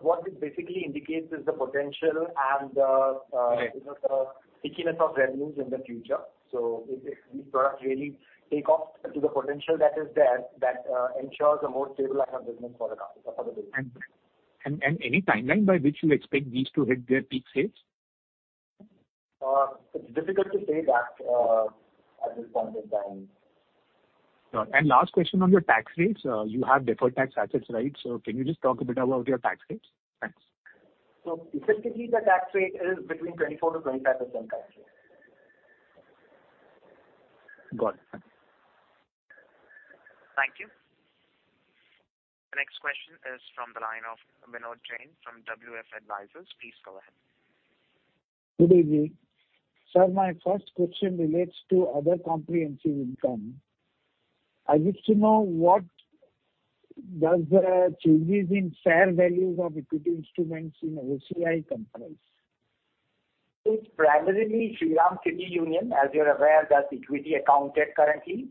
What it basically indicates is the potential and the Right. You know, the stickiness of revenues in the future. If these products really take off to the potential that is there, that ensures a more stabilized business for the company, for the business. Any timeline by which you expect these to hit their peak sales? It's difficult to say that at this point in time. Sure. Last question on your tax rates. You have deferred tax assets, right? Can you just talk a bit about your tax rates? Thanks. Effectively, the tax rate is between 24%-25% tax rate. Got it. Thanks. Thank you. The next question is from the line of Vinod Jain from WF Advisors. Please go ahead. Good evening. Sir, my first question relates to other comprehensive income. I wish to know what does the changes in fair values of equity instruments in OCI comprise? It's primarily Shriram Finance. As you're aware, that's equity accounted currently.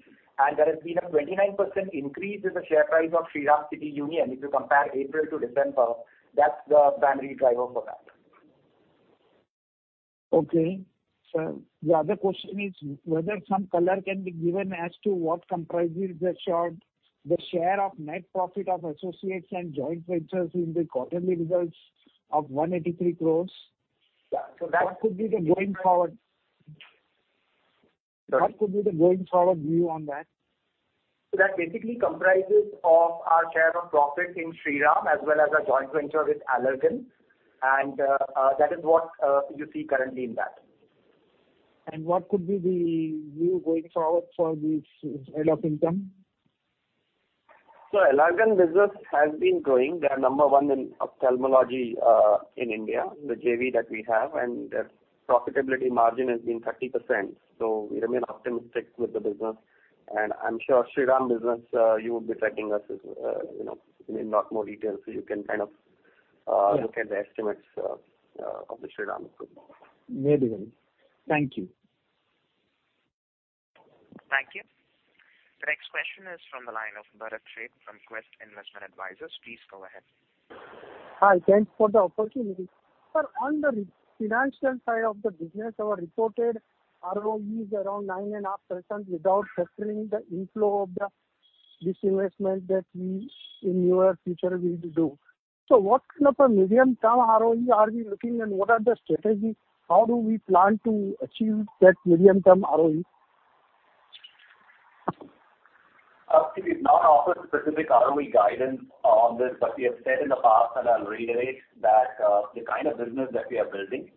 There has been a 29% increase in the share price of Shriram Finace if you compare April to December. That's the primary driver for that. Okay. Sir, the other question is whether some color can be given as to what comprises the share of net profit of associates and joint ventures in the quarterly results? Of 183 crores. Yeah. What could be the going forward? Sorry. What could be the going forward view on that? That basically comprises of our share of profit in Shriram, as well as our joint venture with Allergan. That is what you see currently in that. What could be the view going forward for this head of income? Allergan business has been growing. They are number one in ophthalmology in India, the JV that we have. Their profitability margin has been 30%. We remain optimistic with the business. I'm sure Shriram business, you will be tracking us as you know in a lot more detail. You can kind of Yeah. Look at the estimates of the Shriram Group. Very well. Thank you. Thank you. The next question is from the line of Bharat Sheth from Quest Investment Advisors. Please go ahead. Hi, thanks for the opportunity. Sir, on the financial side of the business, our reported ROE is around 9.5% without factoring the inflow of the disinvestment that we in near future will do. What kind of a medium-term ROE are we looking and what are the strategies? How do we plan to achieve that medium-term ROE? We've not offered specific ROE guidance on this, but we have said in the past, and I'll reiterate that, the kind of business that we are building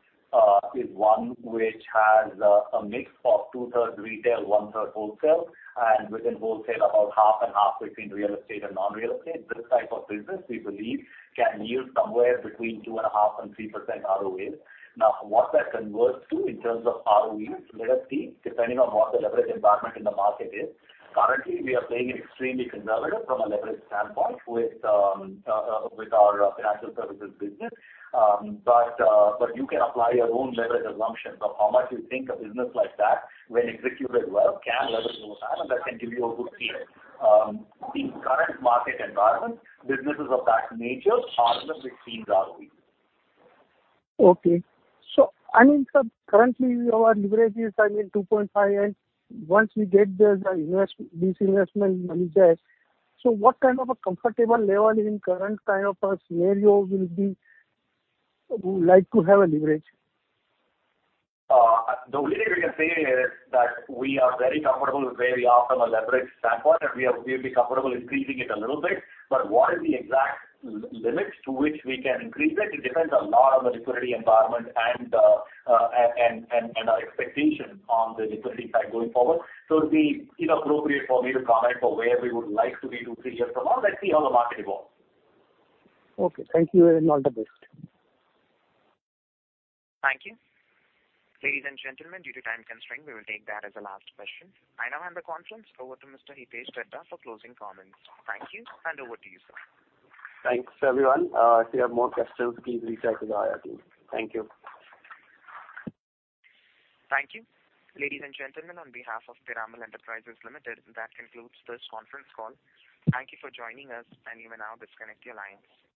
is one which has a mix of 2/3 retail, 1/3 wholesale, and within wholesale, about 50/50 between real estate and non-real estate. This type of business, we believe, can yield somewhere between 2.5% and 3% ROEs. Now, what that converts to in terms of ROEs, let us see, depending on what the leverage environment in the market is. Currently, we are playing extremely conservative from a leverage standpoint with our financial services business. You can apply your own leverage assumptions of how much you think a business like that when executed well can leverage over time, and that can give you a good feel. In current market environment, businesses of that nature are in the mid-teens ROE. Okay. I mean, sir, currently our leverage is, I mean, 2.5. Once we get the disinvestment money there, what kind of a comfortable level in current kind of a scenario would like to have a leverage? The only thing we can say is that we are very comfortable with where we are from a leverage standpoint, and we'll be comfortable increasing it a little bit. What is the exact limits to which we can increase it? It depends a lot on the liquidity environment and our expectation on the liquidity side going forward. It'd be inappropriate for me to comment on where we would like to be 2, 3 years from now. Let's see how the market evolves. Okay. Thank you and all the best. Thank you. Ladies and gentlemen, due to time constraint, we will take that as the last question. I now hand the conference over to Mr. Hitesh Dhaddha for closing comments. Thank you, and over to you, sir. Thanks, everyone. If you have more questions, please reach out to the IR team. Thank you. Thank you. Ladies and gentlemen, on behalf of Piramal Enterprises Limited, that concludes this conference call. Thank you for joining us, and you may now disconnect your lines.